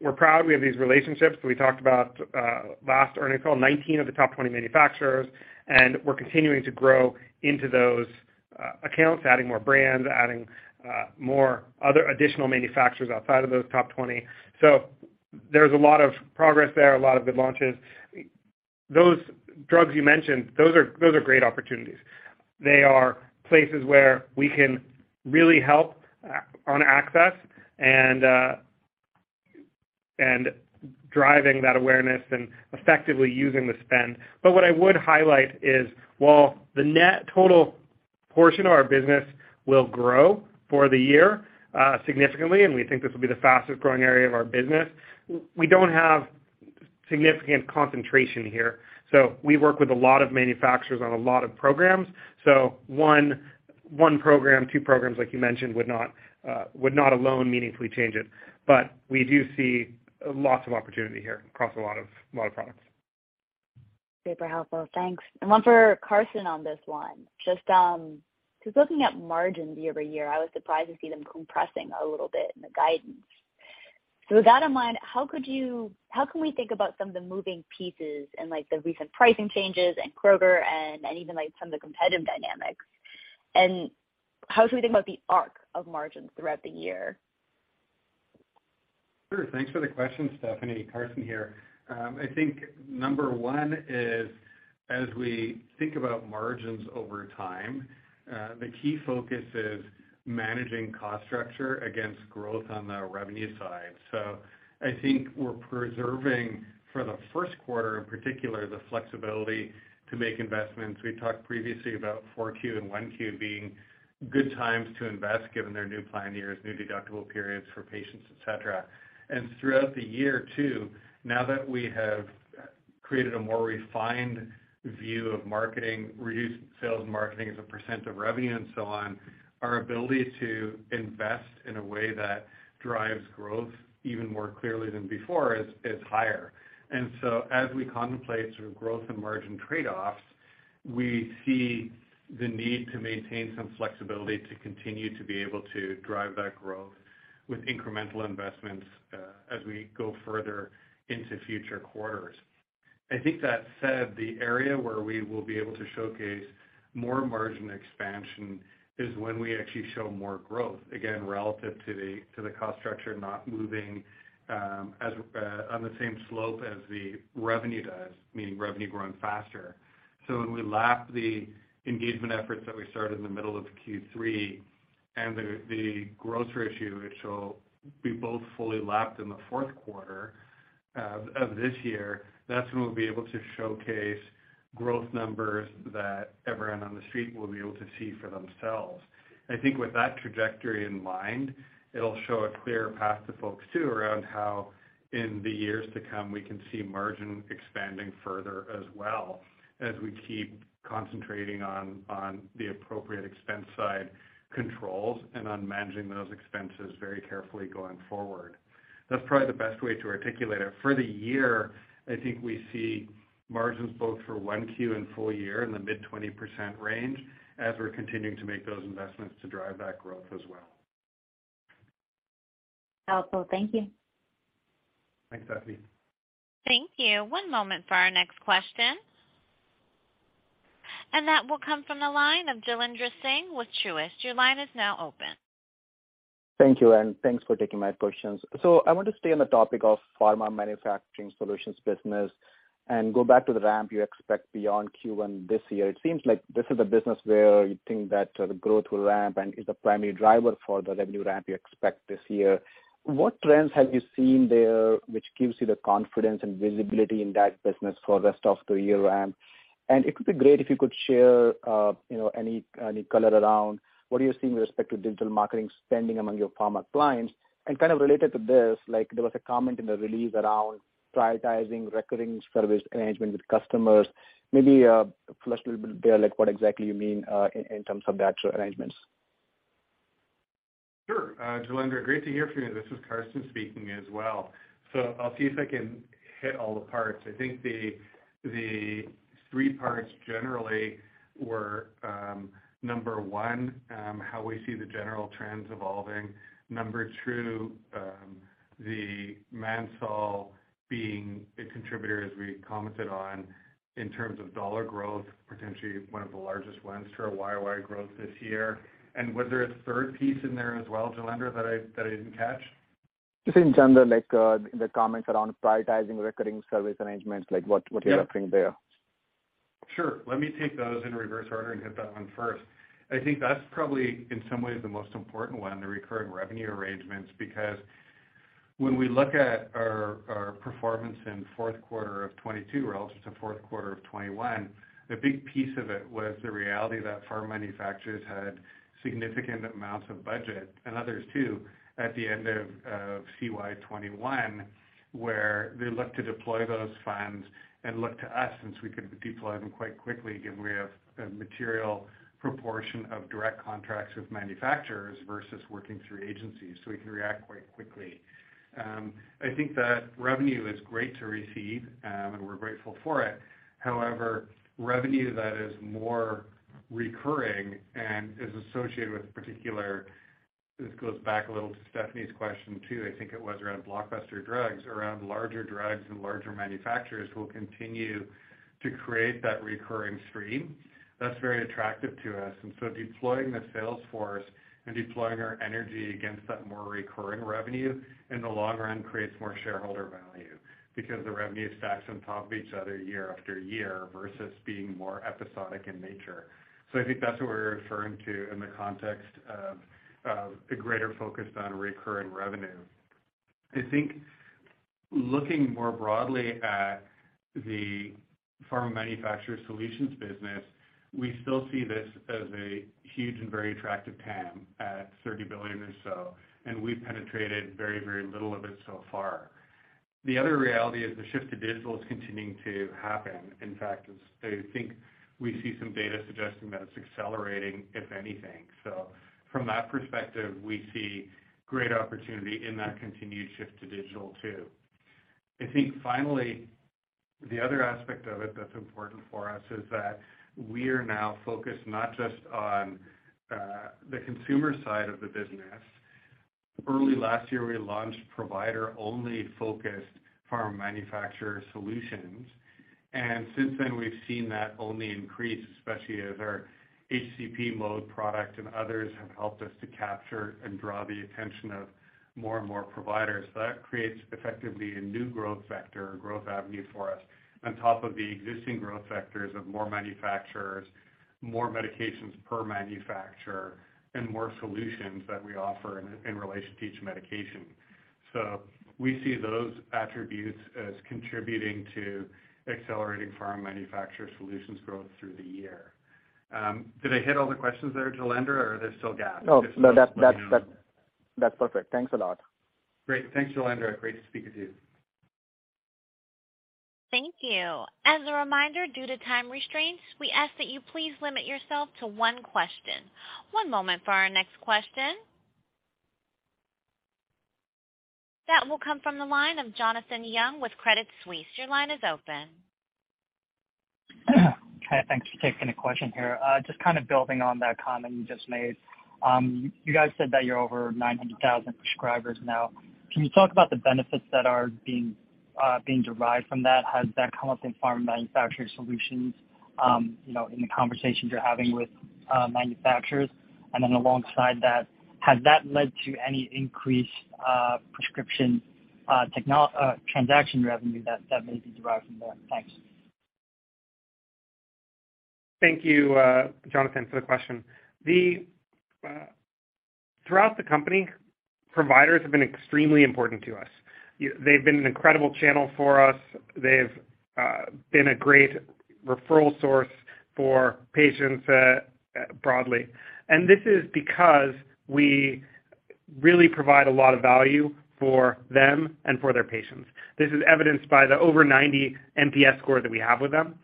We're proud we have these relationships. We talked about last earnings call, 19 of the top 20 manufacturers, and we're continuing to grow into those accounts, adding more brands, adding more other additional manufacturers outside of those top 20. There's a lot of progress there, a lot of good launches. Those drugs you mentioned, those are great opportunities. They are places where we can really help on access and driving that awareness and effectively using the spend. What I would highlight is while the net total portion of our business will grow for the year, significantly, and we think this will be the fastest growing area of our business, we don't have significant concentration here. We work with a lot of manufacturers on a lot of programs. One program, two programs like you mentioned would not alone meaningfully change it. We do see lots of opportunity here across a lot of, lot of products. Super helpful thanks. And one for Karsten on this one. Just, just looking at margins year-over-year, I was surprised to see them compressing a little bit in the guidance. So with that in mind, how can we think about some of the moving pieces and, like, the recent pricing changes and Kroger and even, like, some of the competitive dynamics? And how should we think about the arc of margins throughout the year? Sure. Thanks for the question Stephanie. Karsten here. I think number one is, as we think about margins over time, the key focus is managing cost structure against growth on the revenue side. I think we're preserving, for the first quarter in particular, the flexibility to make investments. We talked previously about 4Q and 1Q being good times to invest given their new plan years, new deductible periods for patients, et cetera. Throughout the year too, now that we have created a more refined view of marketing, reduced sales and marketing as a percent of revenue and so on, our ability to invest in a way that drives growth even more clearly than before is higher. As we contemplate sort of growth and margin trade-offs, we see the need to maintain some flexibility to continue to be able to drive that growth with incremental investments, as we go further into future quarters. I think that said, the area where we will be able to showcase more margin expansion is when we actually show more growth, again, relative to the, to the cost structure not moving, as on the same slope as the revenue does, meaning revenue growing faster. When we lap the engagement efforts that we started in the middle of Q3 and the grocer issue, which will be both fully lapped in the fouth quarter of this year, that's when we'll be able to showcase growth numbers that everyone on the street will be able to see for themselves. I think with that trajectory in mind, it'll show a clear path to folks too, around how in the years to come, we can see margin expanding further as well as we keep concentrating on the appropriate expense side controls and on managing those expenses very carefully going forward. That's probably the best way to articulate it. For the year, I think we see margins both for 1Q and full year in the mid 20% range as we're continuing to make those investments to drive that growth as well. Helpful thank you. Thanks Stephanie. Thank you. One moment for our next question. That will come from the line of Jailendra Singh with Truist. Your line is now open. Thank you and thanks for taking my questions. I want to stay on the topic of Pharma Manufacturer Solutions business and go back to the ramp you expect beyond Q1 this year. It seems like this is a business where you think that the growth will ramp and is the primary driver for the revenue ramp you expect this year. What trends have you seen there which gives you the confidence and visibility in that business for rest of the year ramp? It could be great if you could share, you know, any color around what are you seeing with respect to digital marketing spending among your pharma clients? Kind of related to this, like there was a comment in the release around prioritizing recurring service arrangements with customers. Maybe, flush a little bit there, like what exactly you mean, in terms of that arrangements. Sure. Jailendra, great to hear from you. This is Karsten speaking as well. I'll see if I can hit all the parts. I think the three parts generally were, 1, how we see the general trends evolving. 2, the mail sale being a contributor as we commented on in terms of dollar growth, potentially one of the largest ones to our YOY growth this year. Was there a third piece in there as well, Jailendra, that I didn't catch? Just in general, like, the comments around prioritizing recurring service arrangements, like what you're offering there. Sure. Let me take those in reverse order and hit that one first. I think that's probably, in some ways, the most important one, the recurring revenue arrangements. When we look at our performance in fourth quarter of 2022 relative to fourth quarter of 2021, a big piece of it was the reality that pharma manufacturers had significant amounts of budget and others too, at the end of CY 2021, where they looked to deploy those funds and looked to us since we could deploy them quite quickly, given we have a material proportion of direct contracts with manufacturers versus working through agencies, so we can react quite quickly. I think that revenue is great to receive, and we're grateful for it. However, revenue that is more recurring and is associated with particular... This goes back a little to Stephanie's question, too. I think it was around blockbuster drugs, around larger drugs and larger manufacturers who will continue to create that recurring stream. That's very attractive to us. Deploying the sales force and deploying our energy against that more recurring revenue in the long run creates more shareholder value because the revenue stacks on top of each other year after year versus being more episodic in nature. I think that's what we're referring to in the context of the greater focus on recurring revenue. I think looking more broadly at the Pharma Manufacturer Solutions business, we still see this as a huge and very attractive TAM at $30 billion or so, and we've penetrated very, very little of it so far. The other reality is the shift to digital is continuing to happen. I think we see some data suggesting that it's accelerating, if anything. From that perspective, we see great opportunity in that continued shift to digital too. I think finally, the other aspect of it that's important for us is that we are now focused not just on the consumer side of the business. Early last year, we launched provider-only focused Pharma Manufacturer Solutions, since then we've seen that only increase, especially as our HCP mode product and others have helped us to capture and draw the attention of more and more providers. That creates effectively a new growth factor or growth avenue for us on top of the existing growth factors of more manufacturers, more medications per manufacturer, and more solutions that we offer in relation to each medication. We see those attributes as contributing to accelerating Pharma Manufacturer Solutions growth through the year. Did I hit all the questions there, Jailendra, or are there still gaps? No that's perfect. Thanks a lot. Great. Thanks Jailendra. Great to speak with you. Thank you. As a reminder, due to time restraints, we ask that you please limit yourself to one question. One moment for our next question. That will come from the line of Jonathan Yong with Credit Suisse. Your line is open. Hi thanks for taking the question here. just kind of building on that comment you just made. you guys said that you're over 900,000 prescribers now. Can you talk about the benefits that are being derived from that? Has that come up in Pharma Manufacturer Solutions, you know, in the conversations you're having with, manufacturers? Then alongside that, has that led to any increased, prescription, transaction revenue that may be derived from that? Thanks. Thank you Jonathan, for the question. Throughout the company, providers have been extremely important to us. They've been an incredible channel for us. They've been a great referral source for patients broadly. This is because we really provide a lot of value for them and for their patients. This is evidenced by the over 90 NPS score that we have with them.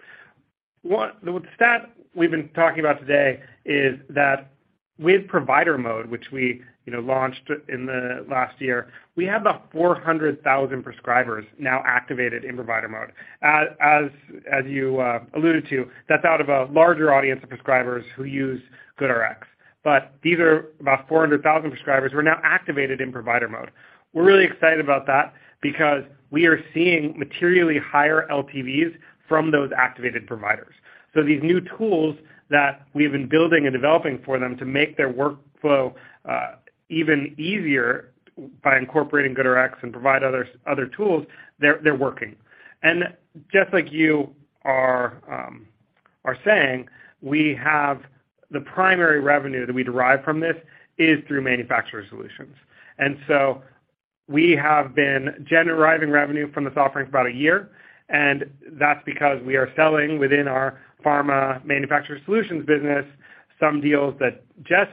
The stat we've been talking about today is that with Provider Mode, which we, you know, launched in the last year, we have about 400,000 prescribers now activated in Provider Mode. As you alluded to, that's out of a larger audience of prescribers who use GoodRx. These are about 400,000 prescribers who are now activated in Provider Mode. We're really excited about that because we are seeing materially higher LTVs from those activated providers. These new tools that we have been building and developing for them to make their workflow even easier by incorporating GoodRx and provide other tools, they're working. Just like you are Are saying, we have the primary revenue that we derive from this is through Pharma Manufacturer Solutions. So we have been generating revenue from this offering for about a year, and that's because we are selling within our Pharma Manufacturer Solutions business some deals that just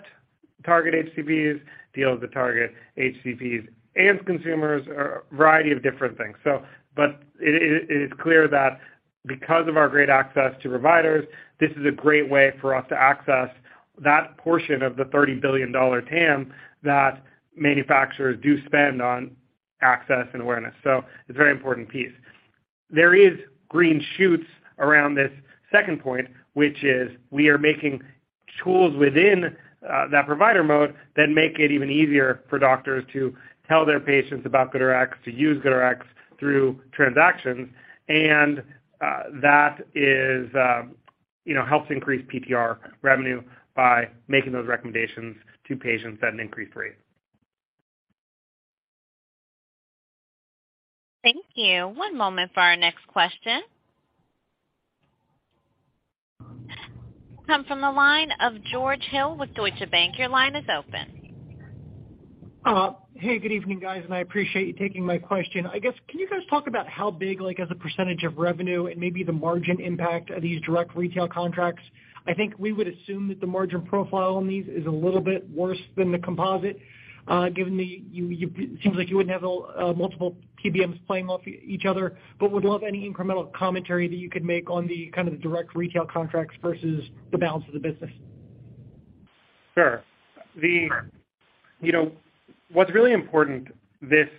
target HCPs, deals that target HCPs and consumers or a variety of different things. But it is clear that because of our great access to providers, this is a great way for us to access that portion of the $30 billion TAM that manufacturers do spend on access and awareness. It's a very important piece. There is green shoots around this second point, which is we are making tools within that Provider Mode that make it even easier for doctors to tell their patients about GoodRx, to use GoodRx through transactions, and that is, you know, helps increase PPR revenue by making those recommendations to patients at an increased rate. Thank you. One moment for our next question. It comes from the line of George Hill with Deutsche Bank. Your line is open. Hey good evening guys and I appreciate you taking my question. I guess, can you guys talk about how big, like, as a percentage of revenue and maybe the margin impact of these direct retail contracts? I think we would assume that the margin profile on these is a little bit worse than the composite, given it seems like you wouldn't have multiple PBMs playing off each other. Would love any incremental commentary that you could make on the kind of the direct retail contracts versus the balance of the business. Sure. You know, what's really important this,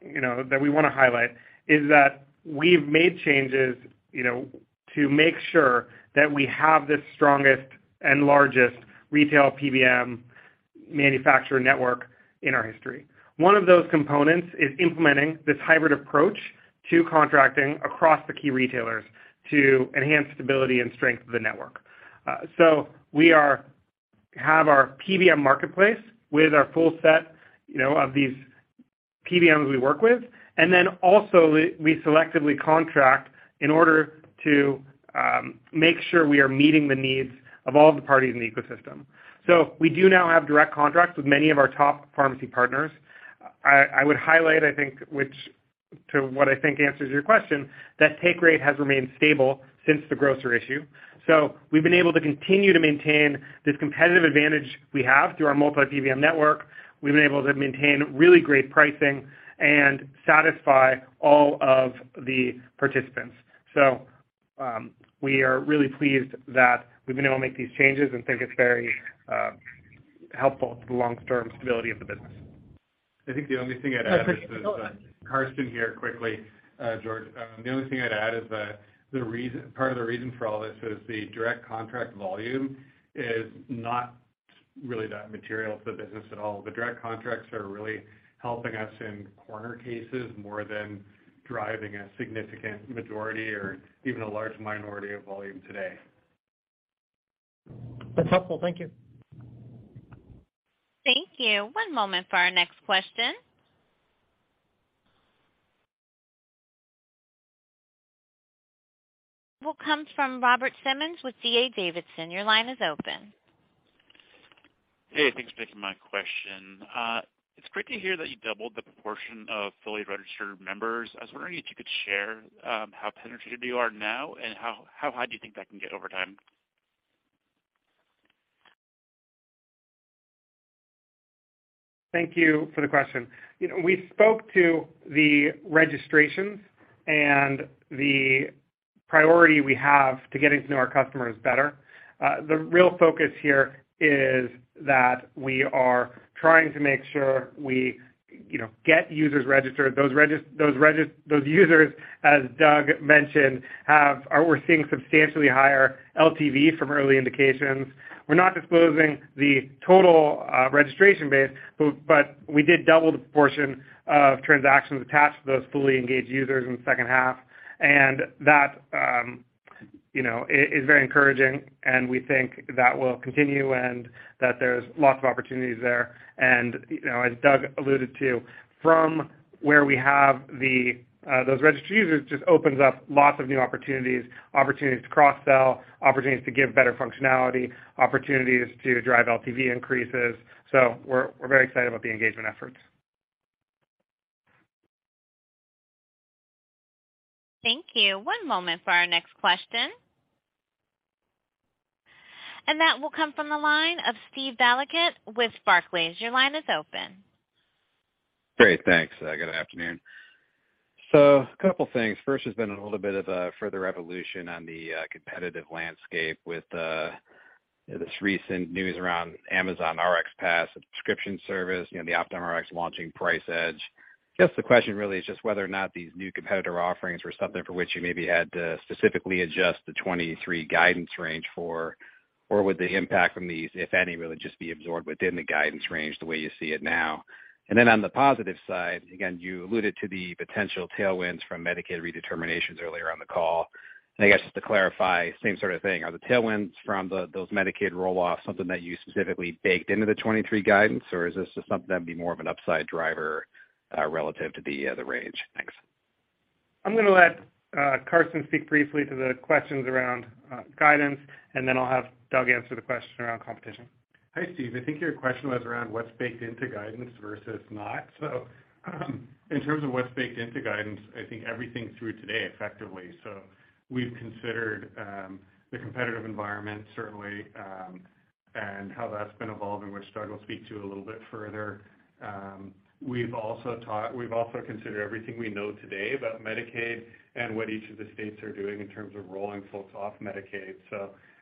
you know, that we wanna highlight is that we've made changes, you know, to make sure that we have the strongest and largest retail PBM manufacturer network in our history. One of those components is implementing this hybrid approach to contracting across the key retailers to enhance stability and strength of the network. We have our PBM marketplace with our full set, you know, of these PBMs we work with. Also, we selectively contract in order to make sure we are meeting the needs of all the parties in the ecosystem. We do now have direct contracts with many of our top pharmacy partners. I would highlight, I think, which to what I think answers your question, that take rate has remained stable since the grocer issue. We've been able to continue to maintain this competitive advantage we have through our multi-PBM network. We've been able to maintain really great pricing and satisfy all of the participants. We are really pleased that we've been able to make these changes and think it's very helpful to the long-term stability of the business. I think the only thing I'd add is that Karsten here, quickly, George. The only thing I'd add is that part of the reason for all this is the direct contract volume is not really that material to the business at all. The direct contracts are really helping us in corner cases more than driving a significant majority or even a large minority of volume today. That's helpful. Thank you. Thank you. One moment for our next question. It will come from Robert Simmons with D.A. Davidson. Your line is open. Hey thanks for taking my question. It's great to hear that you doubled the proportion of fully registered members. I was wondering if you could share, how penetrated you are now and how high do you think that can get over time. Thank you for the question. You know, we spoke to the registrations and the priority we have to getting to know our customers better. The real focus here is that we are trying to make sure we, you know, get users registered. Those users, as Doug mentioned, are we're seeing substantially higher LTV from early indications. We're not disclosing the total registration base, but we did double the proportion of transactions attached to those fully engaged users in the second half. That, you know, is very encouraging, and we think that will continue and that there's lots of opportunities there. You know, as Doug alluded to, from where we have the those registered users just opens up lots of new opportunities to cross-sell, opportunities to give better functionality, opportunities to drive LTV increases. We're very excited about the engagement efforts. Thank you. One moment for our next question. That will come from the line of Steven Valiquette with Barclays. Your line is open. Great. Thanks. Good afternoon. A couple things. First, there's been a little bit of a further evolution on the competitive landscape with this recent news around Amazon RxPass, a prescription service, you know, the Optum Rx launching Price Edge. Guess the question really is just whether or not these new competitor offerings were something for which you maybe had to specifically adjust the 2023 guidance range for, or would the impact from these, if any, really just be absorbed within the guidance range the way you see it now? On the positive side, again, you alluded to the potential tailwinds from Medicaid redeterminations earlier on the call. I guess just to clarify, same sort of thing. Are the tailwinds from those Medicaid roll-offs something that you specifically baked into the 2023 guidance, or is this just something that would be more of an upside driver, relative to the range? Thanks. I'm gonna let Karsten speak briefly to the questions around guidance, and then I'll have Doug answer the question around competition. Hi Steve. I think your question was around what's baked into guidance versus not. In terms of what's baked into guidance, I think everything through today effectively. We've considered the competitive environment certainly, and how that's been evolving, which Doug will speak to a little bit further. We've also considered everything we know today about Medicaid and what each of the states are doing in terms of rolling folks off Medicaid.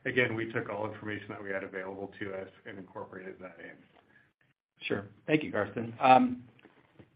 Again, we took all information that we had available to us and incorporated that in. Sure. Thank you Karsten.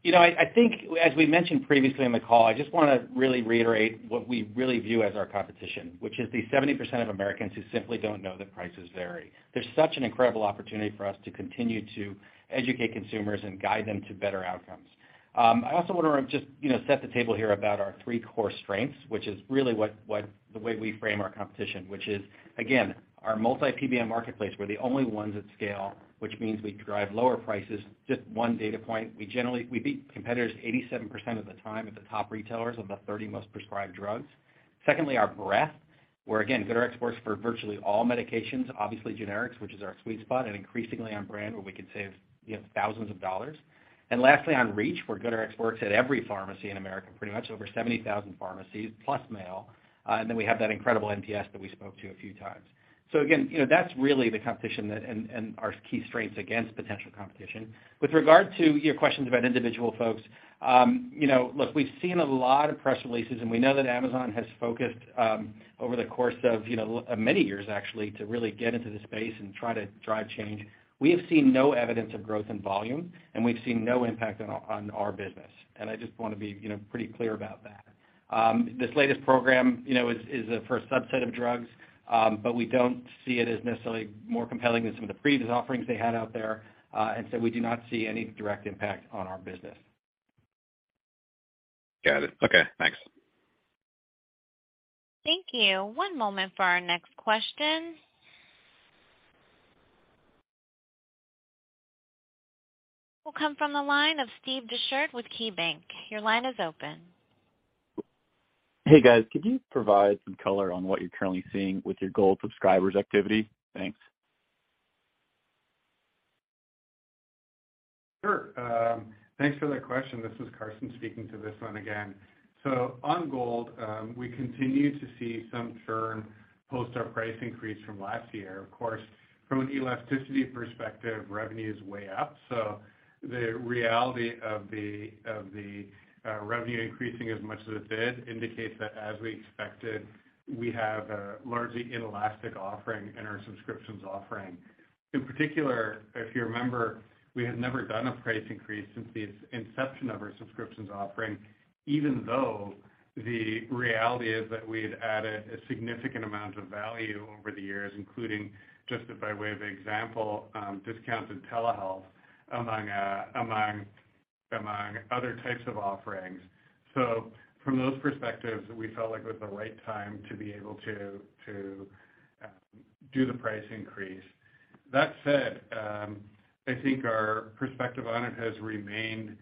you know, I think as we mentioned previously on the call, I just wanna really reiterate what we really view as our competition, which is the 70% of Americans who simply don't know that prices vary. There's such an incredible opportunity for us to continue to educate consumers and guide them to better outcomes. I also wanna just, you know, set the table here about our three core strengths, which is really what the way we frame our competition. Which is, again, our multi-PBM marketplace. We're the only ones at scale, which means we drive lower prices. Just one data point, we generally We beat competitors 87% of the time at the top retailers of the 30 most prescribed drugs. Secondly, our breadth, where again, GoodRx works for virtually all medications, obviously generics, which is our sweet spot, and increasingly on brand, where we can save, you know, thousands of dollars. We have that incredible NPS that we spoke to a few times. Again, you know, that's really the competition that and our key strengths against potential competition. With regard to your questions about individual folks, you know, look, we've seen a lot of press releases, and we know that Amazon has focused over the course of, you know, many years actually, to really get into the space and try to drive change. We have seen no evidence of growth in volume, and we've seen no impact on our business. I just wanna be, you know, pretty clear about that. This latest program, you know, is for a subset of drugs, but we don't see it as necessarily more compelling than some of the previous offerings they had out there. We do not see any direct impact on our business. Got it. Okay, thanks. Thank you. One moment for our next question. Will come from the line of Scott Schoenhaus with KeyBank. Your line is open. He, guys. Could you provide some color on what you're currently seeing with your Gold subscribers activity? Thanks. Sure. Thanks for that question. This is Karsten speaking to this one again. On Gold, we continue to see some churn post our price increase from last year. Of course, from an elasticity perspective, revenue is way up. The reality of the revenue increasing as much as it did indicates that, as we expected, we have a largely inelastic offering in our subscriptions offering. In particular, if you remember, we had never done a price increase since the inception of our subscriptions offering, even though the reality is that we had added a significant amount of value over the years, including, just by way of example, discounted telehealth among other types of offerings. From those perspectives, we felt like it was the right time to be able to do the price increase. That said, I think our perspective on it has remained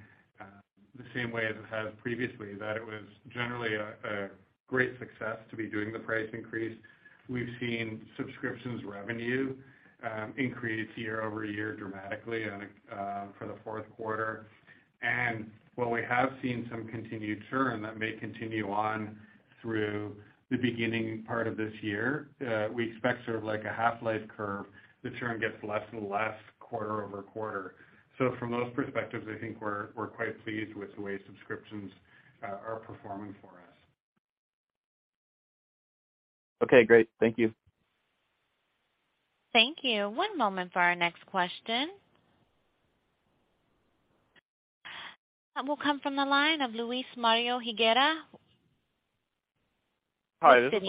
the same way as it has previously, that it was generally a great success to be doing the price increase. We've seen subscriptions revenue increase year-over-year dramatically on a for the fourth quarter. While we have seen some continued churn that may continue on through the beginning part of this year, we expect sort of like a half-life curve. The churn gets less and less quarter-over-quarter. From those perspectives, I think we're quite pleased with the way subscriptions are performing for us. Okay great. Thank you. Thank you. One moment for our next question. That will come from the line of Luis Higuera with Citi. Hi this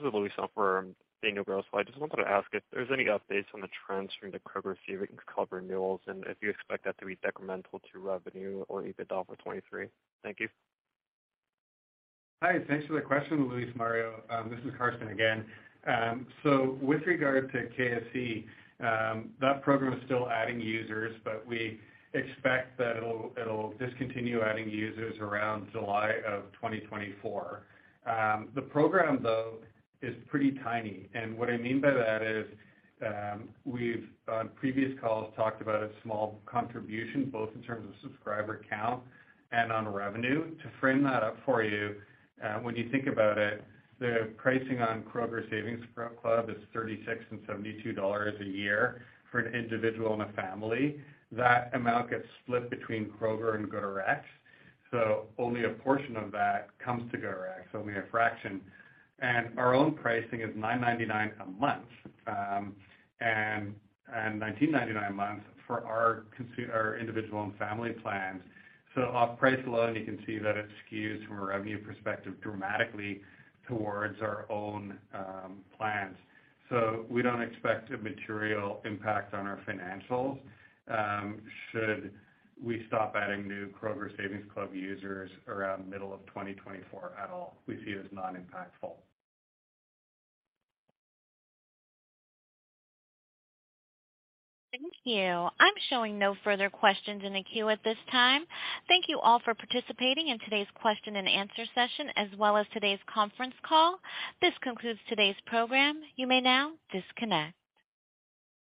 is Luis on for Daniel Grosslight. I just wanted to ask if there's any updates on the trends from the Kroger Savings Club renewals and if you expect that to be detrimental to revenue or EBITDA for 2023. Thank you. Hi. Thanks for the question, Luis Mario. This is Karsten again. With regard to KSC, that program is still adding users, but we expect that it'll discontinue adding users around July of 2024. The program, though, is pretty tiny. What I mean by that is, we've, on previous calls, talked about a small contribution both in terms of subscriber count and on revenue. To frame that up for you, when you think about it, the pricing on Kroger Rx Savings Club is $36 and $72 a year for an individual and a family. That amount gets split between Kroger and GoodRx, so only a portion of that comes to GoodRx, so only a fraction. Our own pricing is $9.99 a month, and $19.99 a month for our individual and family plans. Off price alone, you can see that it skews from a revenue perspective dramatically towards our own plans. We don't expect a material impact on our financials, should we stop adding new Kroger Savings Club users around middle of 2024 at all. We see it as non-impactful. Thank you. I'm showing no further questions in the queue at this time. Thank you all for participating in today's question and answer session as well as today's conference call. This concludes today's program. You may now disconnect.